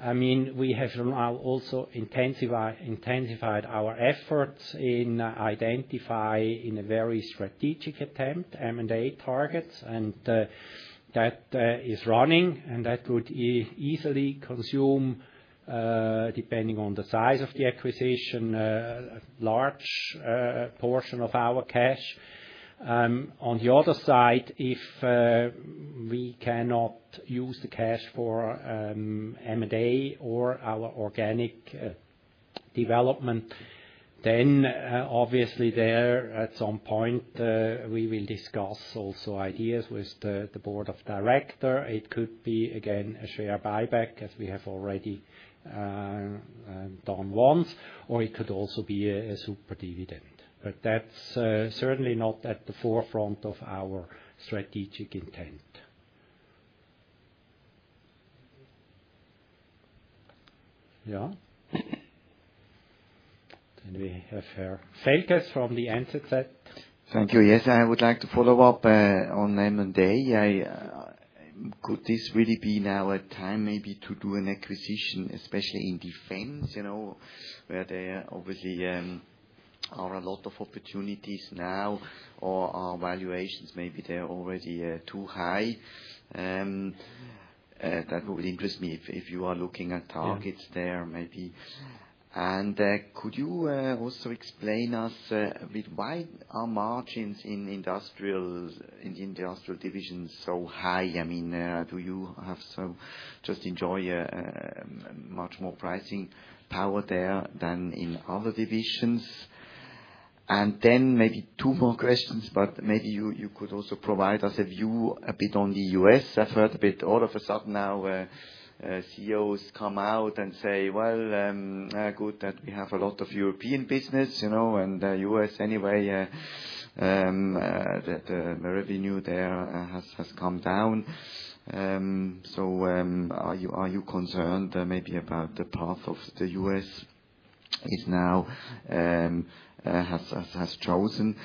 I mean, we have now also intensified our efforts in identifying a very strategic attempt, M&A targets, and that is running, and that would easily consume, depending on the size of the acquisition, a large portion of our cash. On the other side, if we cannot use the cash for M&A or our organic development, then obviously there, at some point, we will discuss also ideas with the board of directors. It could be, again, a share buyback, as we have already done once, or it could also be a super dividend. That is certainly not at the forefront of our strategic intent. Yeah? We have Falkes from the NZZ. Thank you. Yes, I would like to follow up on M&A. Could this really be now a time maybe to do an acquisition, especially in defense, where there obviously are a lot of opportunities now, or are valuations maybe already too high? That would interest me if you are looking at targets there maybe. Could you also explain to us why are margins in industrial divisions so high? I mean, do you just enjoy much more pricing power there than in other divisions? Maybe two more questions, but maybe you could also provide us a view a bit on the U.S.. I've heard a bit all of a sudden now CEOs come out and say, "Well, good that we have a lot of European business," and the U.S. anyway, the revenue there has come down. Are you concerned maybe about the path the U.S. has chosen?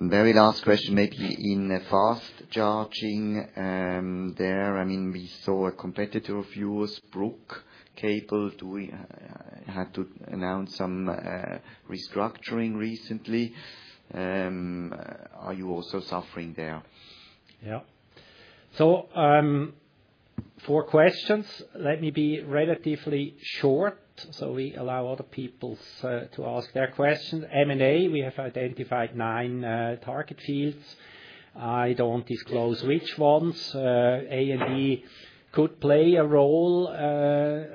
Very last question maybe in fast charging there. I mean, we saw a competitor of yours, Brugg Cables, had to announce some restructuring recently. Are you also suffering there? Yeah. Four questions. Let me be relatively short so we allow other people to ask their questions. M&A, we have identified nine target fields. I don't disclose which ones. A&D could play a role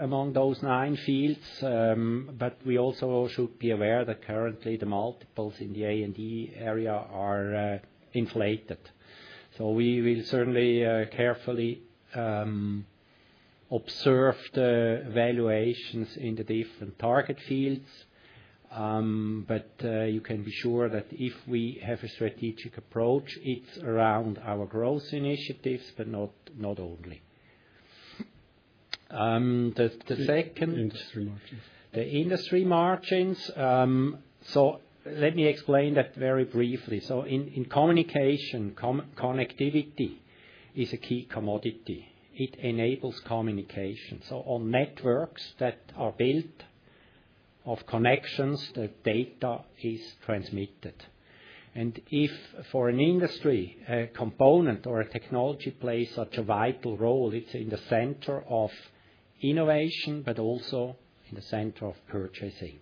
among those nine fields, but we also should be aware that currently the multiples in the A&D area are inflated. We will certainly carefully observe the valuations in the different target fields, but you can be sure that if we have a strategic approach, it is around our growth initiatives, but not only. The second. Industry margins. The industry margins. Let me explain that very briefly. In communication, connectivity is a key commodity. It enables communication. On networks that are built of connections, the data is transmitted. If for an industry, a component or a technology plays such a vital role, it is in the center of innovation, but also in the center of purchasing.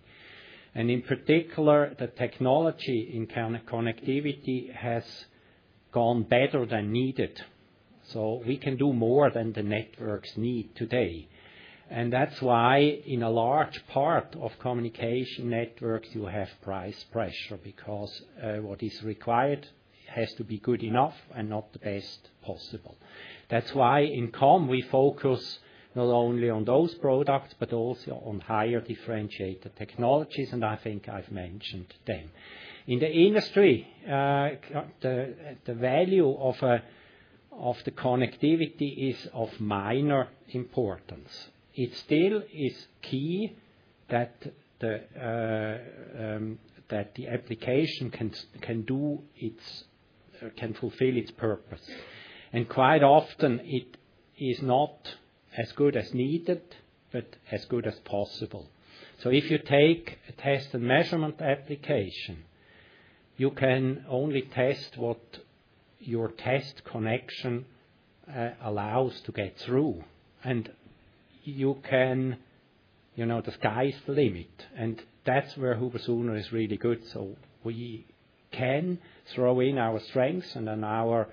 In particular, the technology in connectivity has gone better than needed. We can do more than the networks need today. That is why in a large part of communication networks, you have price pressure because what is required has to be good enough and not the best possible. That is why in com, we focus not only on those products, but also on higher differentiated technologies, and I think I have mentioned them. In the industry, the value of the connectivity is of minor importance. It still is key that the application can fulfill its purpose. Quite often, it is not as good as needed, but as good as possible. If you take a test and measurement application, you can only test what your test connection allows to get through. You can the sky is the limit. That is where HUBER+SUHNER is really good. We can throw in our strengths and our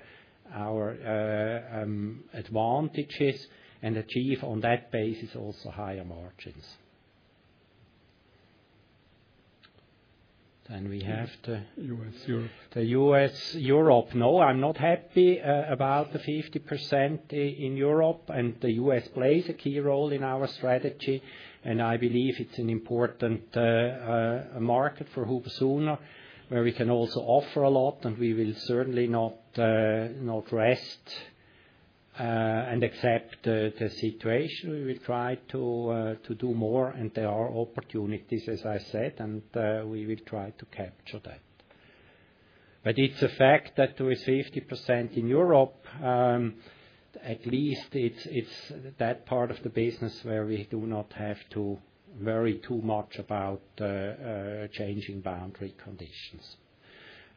advantages and achieve on that basis also higher margins. We have the U.S., Europe. The U.S., Europe. No, I'm not happy about the 50% in Europe. The U.S. plays a key role in our strategy. I believe it's an important market for HUBER+SUHNER, where we can also offer a lot, and we will certainly not rest and accept the situation. We will try to do more, and there are opportunities, as I said, and we will try to capture that. It's a fact that with 50% in Europe, at least it's that part of the business where we do not have to worry too much about changing boundary conditions.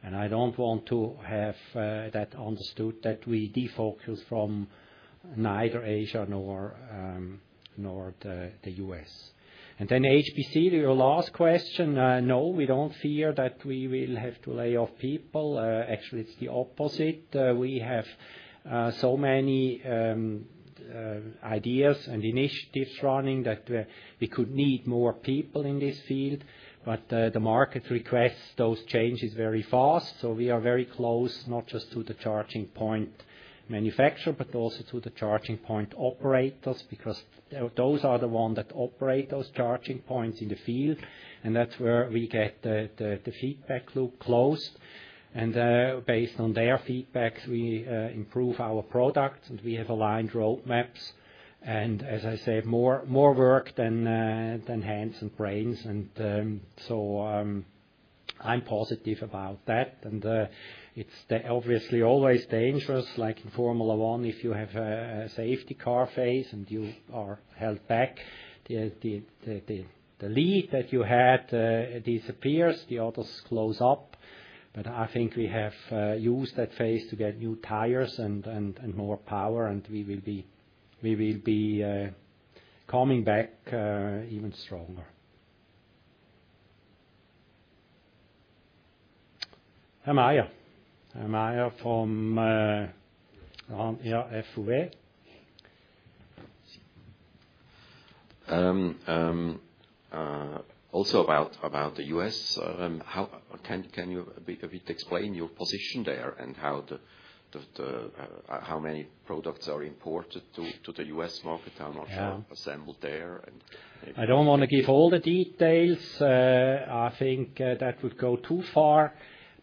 I don't want to have that understood that we defocus from neither Asia nor the U.S.. HBC, your last question. No, we don't fear that we will have to lay off people. Actually, it's the opposite. We have so many ideas and initiatives running that we could need more people in this field. The market requests those changes very fast. We are very close, not just to the charging point manufacturer, but also to the charging point operators because those are the ones that operate those charging points in the field. That is where we get the feedback loop closed. Based on their feedback, we improve our products, and we have aligned roadmaps. As I said, more work than hands and brains. I am positive about that. It is obviously always dangerous, like in Formula 1, if you have a safety car phase and you are held back, the lead that you had disappears, the others close up. I think we have used that phase to get new tires and more power, and we will be coming back even stronger. Amaya. Amaya from FUE. Also about the U.S., can you a bit explain your position there and how many products are imported to the U.S. market? How much are assembled there? I don't want to give all the details. I think that would go too far.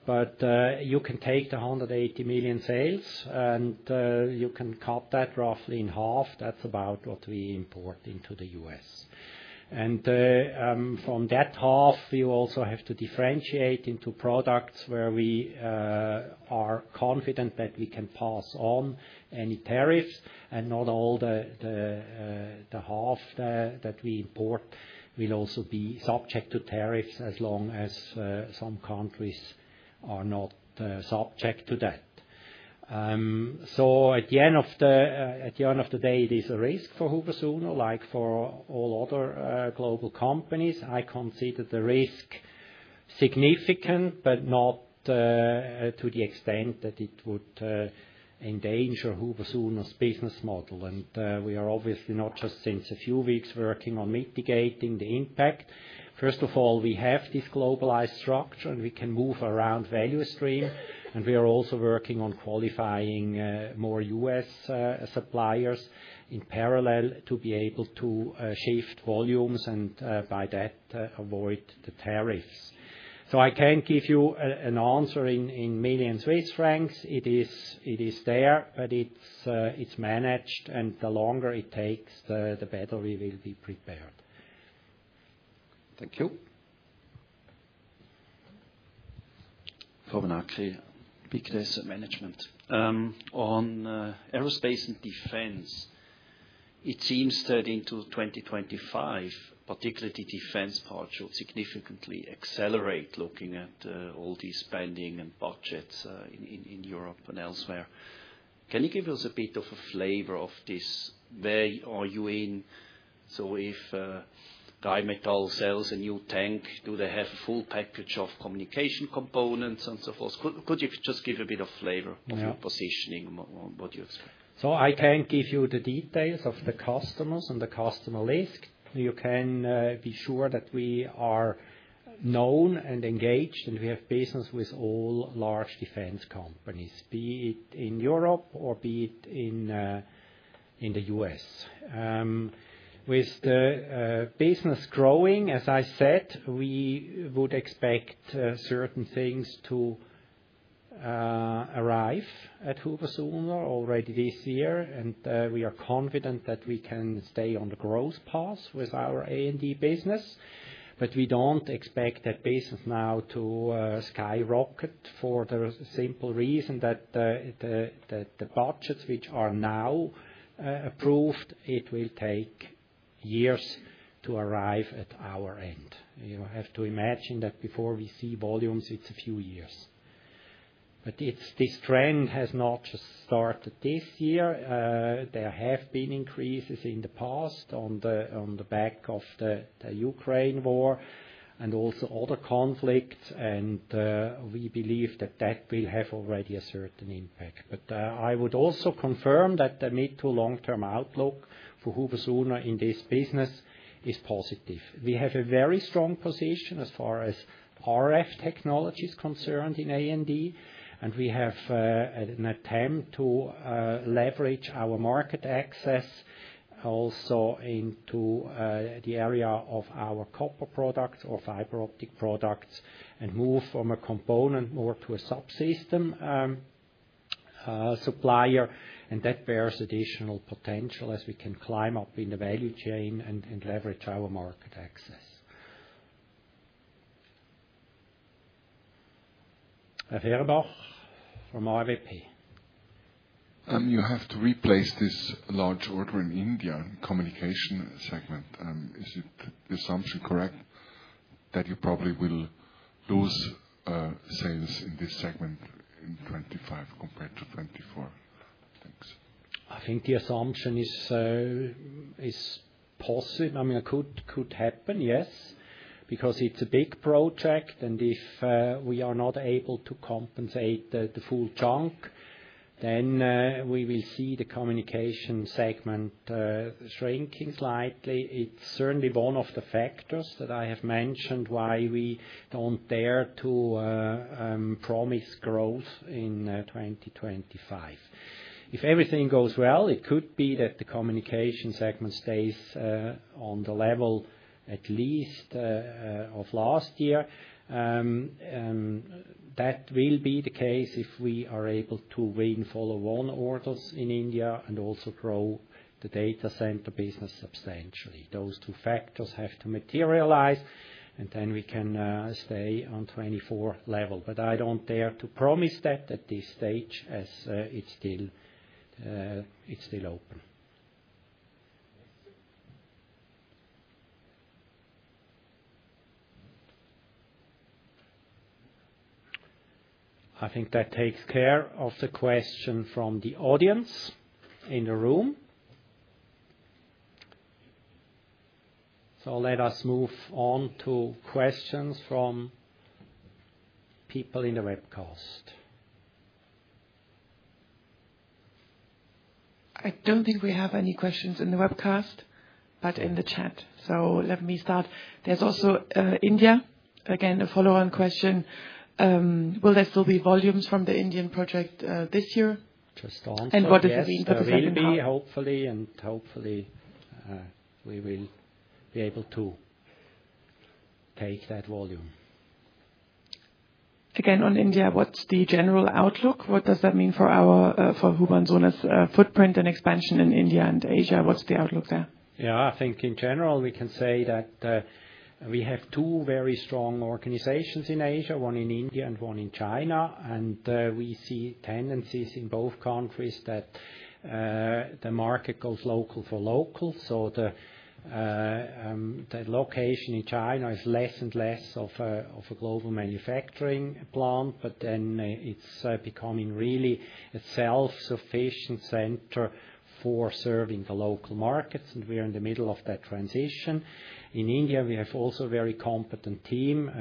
You can take the $180 million sales, and you can cut that roughly in half. That's about what we import into the U.S.. From that half, we also have to differentiate into products where we are confident that we can pass on any tariffs. Not all the half that we import will also be subject to tariffs as long as some countries are not subject to that. At the end of the day, it is a risk for HUBER+SUHNER, like for all other global companies. I consider the risk significant, but not to the extent that it would endanger HUBER+SUHNER's business model. We are obviously not just since a few weeks working on mitigating the impact. First of all, we have this globalized structure, and we can move around value streams. We are also working on qualifying more U.S. suppliers in parallel to be able to shift volumes and by that avoid the tariffs. I can't give you an answer in million CHF. It is there, but it's managed, and the longer it takes, the better we will be prepared. Thank you. Favanaki, BKDS Management. On aerospace and defense, it seems that into 2025, particularly the defense part should significantly accelerate looking at all these spending and budgets in Europe and elsewhere. Can you give us a bit of a flavor of this? Where are you in? If Dimetall sells a new tank, do they have a full package of communication components and so forth? Could you just give a bit of flavor of your positioning and what you expect? I can give you the details of the customers and the customer list. You can be sure that we are known and engaged, and we have business with all large defense companies, be it in Europe or be it in the U.S.. With the business growing, as I said, we would expect certain things to arrive at HUBER+SUHNER already this year. We are confident that we can stay on the growth path with our A&D business. We do not expect that business now to skyrocket for the simple reason that the budgets which are now approved, it will take years to arrive at our end. You have to imagine that before we see volumes, it's a few years. This trend has not just started this year. There have been increases in the past on the back of the Ukraine war and also other conflicts. We believe that that will have already a certain impact. I would also confirm that the mid to long-term outlook for HUBER+SUHNER in this business is positive. We have a very strong position as far as RF technology is concerned in A&D. We have an attempt to leverage our market access also into the area of our copper products or fiber optic products and move from a component more to a subsystem supplier. That bears additional potential as we can climb up in the value chain and leverage our market access. Herr Bach from RVP. You have to replace this large order in India in the communication segment. Is the assumption correct that you probably will lose sales in this segment in 2025 compared to 2024? Thanks. I think the assumption is possible. I mean, it could happen, yes, because it is a big project. If we are not able to compensate the full chunk, then we will see the communication segment shrinking slightly. It is certainly one of the factors that I have mentioned why we do not dare to promise growth in 2025. If everything goes well, it could be that the communication segment stays on the level at least of last year. That will be the case if we are able to win follow-on orders in India and also grow the data center business substantially. Those two factors have to materialize, and then we can stay on 2024 level. I do not dare to promise that at this stage as it is still open. I think that takes care of the question from the audience in the room. Let us move on to questions from people in the webcast. I do not think we have any questions in the webcast, but in the chat. Let me start. There is also India. Again, a follow-on question. Will there still be volumes from the Indian project this year? Just answer that. What does it mean for the second part? It will be, hopefully. Hopefully, we will be able to take that volume. Again, on India, what is the general outlook? What does that mean for Huber+Suhner's footprint and expansion in India and Asia? What is the outlook there? Yeah, I think in general, we can say that we have two very strong organizations in Asia, one in India and one in China. We see tendencies in both countries that the market goes local for local. The location in China is less and less of a global manufacturing plant, but then it's becoming really a self-sufficient center for serving the local markets. We are in the middle of that transition. In India, we have also a very competent team.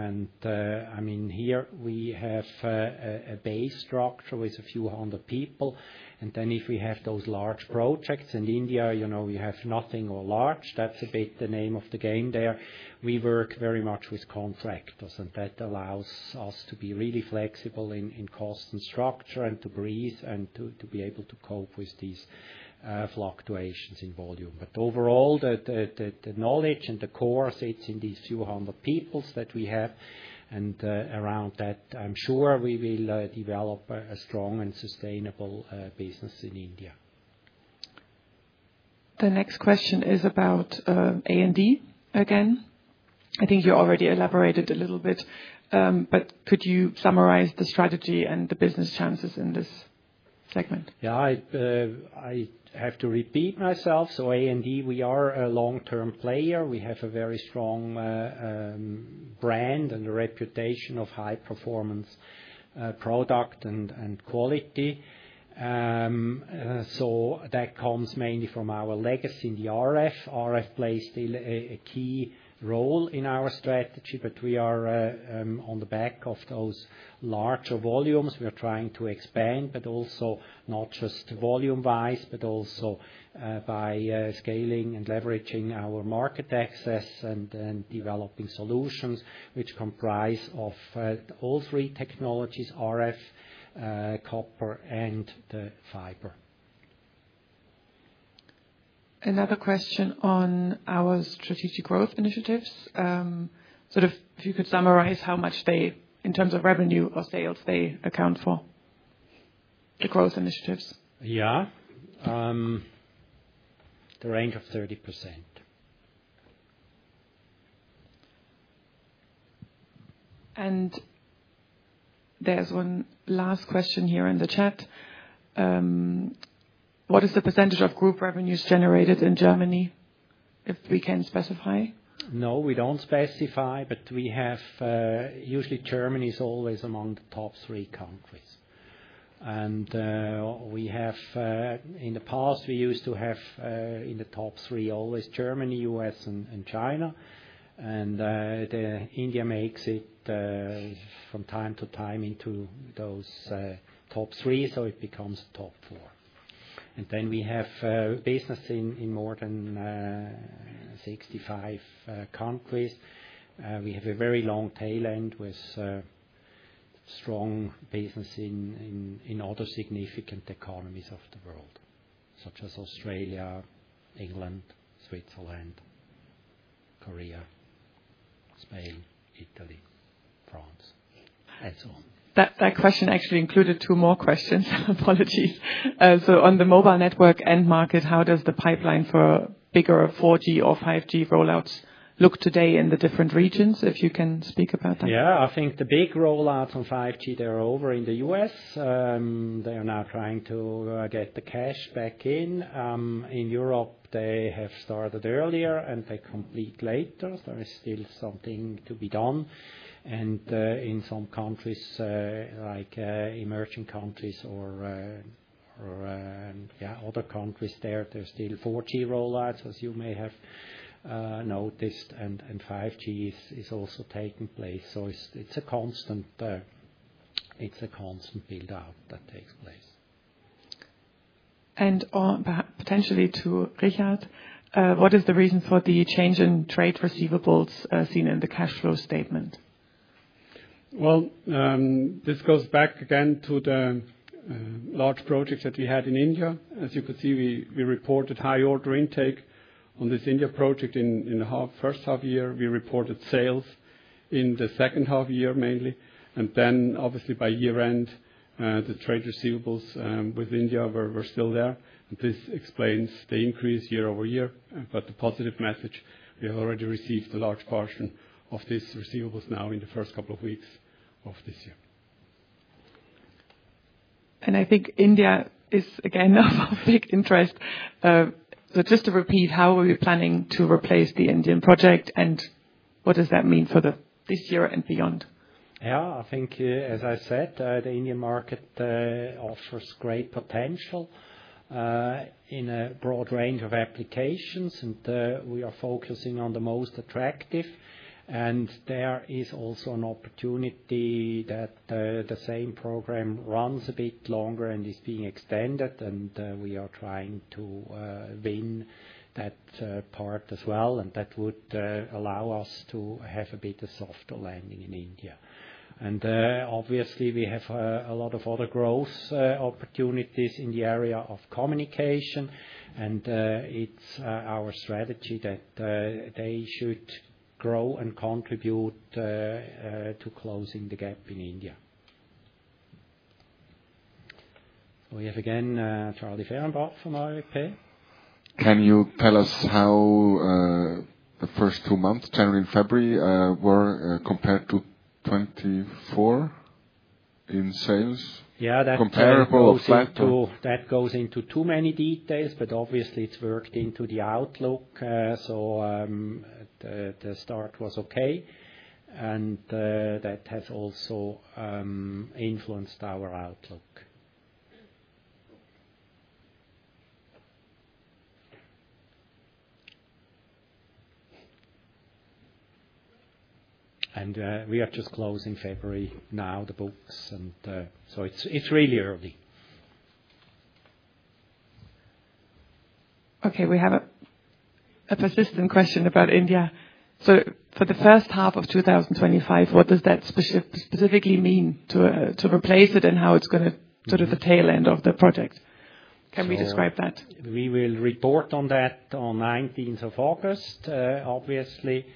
I mean, here we have a base structure with a few hundred people. If we have those large projects in India, we have nothing or large. That's a bit the name of the game there. We work very much with contractors, and that allows us to be really flexible in cost and structure and to breathe and to be able to cope with these fluctuations in volume. Overall, the knowledge and the core sits in these few hundred people that we have. Around that, I'm sure we will develop a strong and sustainable business in India. The next question is about A&D again. I think you already elaborated a little bit, but could you summarize the strategy and the business chances in this segment? Yeah, I have to repeat myself. A&D, we are a long-term player. We have a very strong brand and a reputation of high-performance product and quality. That comes mainly from our legacy in the RF. RF plays a key role in our strategy, but we are on the back of those larger volumes. We are trying to expand, but also not just volume-wise, but also by scaling and leveraging our market access and developing solutions which comprise of all three technologies: RF, copper, and the fiber. Another question on our strategic growth initiatives. Sort of if you could summarize how much they, in terms of revenue or sales, they account for the growth initiatives. Yeah. The range of 30%. There is one last question here in the chat. What is the percentage of group revenues generated in Germany if we can specify? No, we do not specify, but we have usually Germany is always among the top three countries. In the past, we used to have in the top three always Germany, U.S., and China. India makes it from time to time into those top three, so it becomes top four. We have business in more than 65 countries. We have a very long tail end with strong business in other significant economies of the world, such as Australia, England, Switzerland, Korea, Spain, Italy, France, and so on. That question actually included two more questions. Apologies. On the mobile network end market, how does the pipeline for bigger 4G or 5G rollouts look today in the different regions? If you can speak about that. Yeah, I think the big rollouts on 5G, they're over in the U.S.. They are now trying to get the cash back in. In Europe, they have started earlier and they complete later. There is still something to be done. In some countries, like emerging countries or other countries there, there's still 4G rollouts, as you may have noticed, and 5G is also taking place. It is a constant build-out that takes place. Potentially to Richard, what is the reason for the change in trade receivables seen in the cash flow statement? This goes back again to the large projects that we had in India. As you could see, we reported high order intake on this India project in the first half year. We reported sales in the second half year mainly. Obviously, by year-end, the trade receivables with India were still there. This explains the increase year over year. The positive message, we have already received a large portion of these receivables now in the first couple of weeks of this year. I think India is, again, of big interest. Just to repeat, how are we planning to replace the Indian project and what does that mean for this year and beyond? Yeah, I think, as I said, the Indian market offers great potential in a broad range of applications, and we are focusing on the most attractive. There is also an opportunity that the same program runs a bit longer and is being extended, and we are trying to win that part as well. That would allow us to have a bit of softer landing in India. Obviously, we have a lot of other growth opportunities in the area of communication, and it's our strategy that they should grow and contribute to closing the gap in India. We have again Charlie Fehrenbach from RVP. Can you tell us how the first two months, January and February, were compared to 2024 in sales? Yeah, that goes into too many details, but obviously, it's worked into the outlook. The start was okay. That has also influenced our outlook. We are just closing February now, the books. It is really early. Okay, we have a persistent question about India. For the first half of 2025, what does that specifically mean to replace it and how it is going to sort of the tail end of the project? Can we describe that? We will report on that on 19th of August, obviously.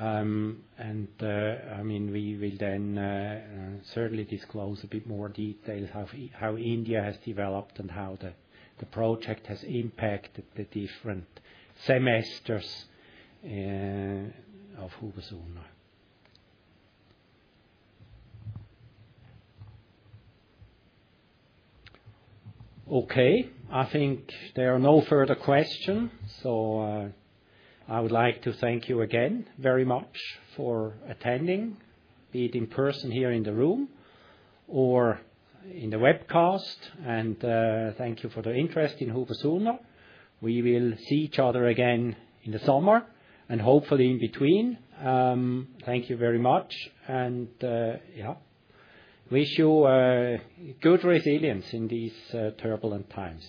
I mean, we will then certainly disclose a bit more details how India has developed and how the project has impacted the different semesters of HUBER+SUHNER. Okay, I think there are no further questions. I would like to thank you again very much for attending, be it in person here in the room or in the webcast. Thank you for the interest in HUBER+SUHNER. We will see each other again in the summer and hopefully in between. Thank you very much. Yeah, wish you good resilience in these turbulent times.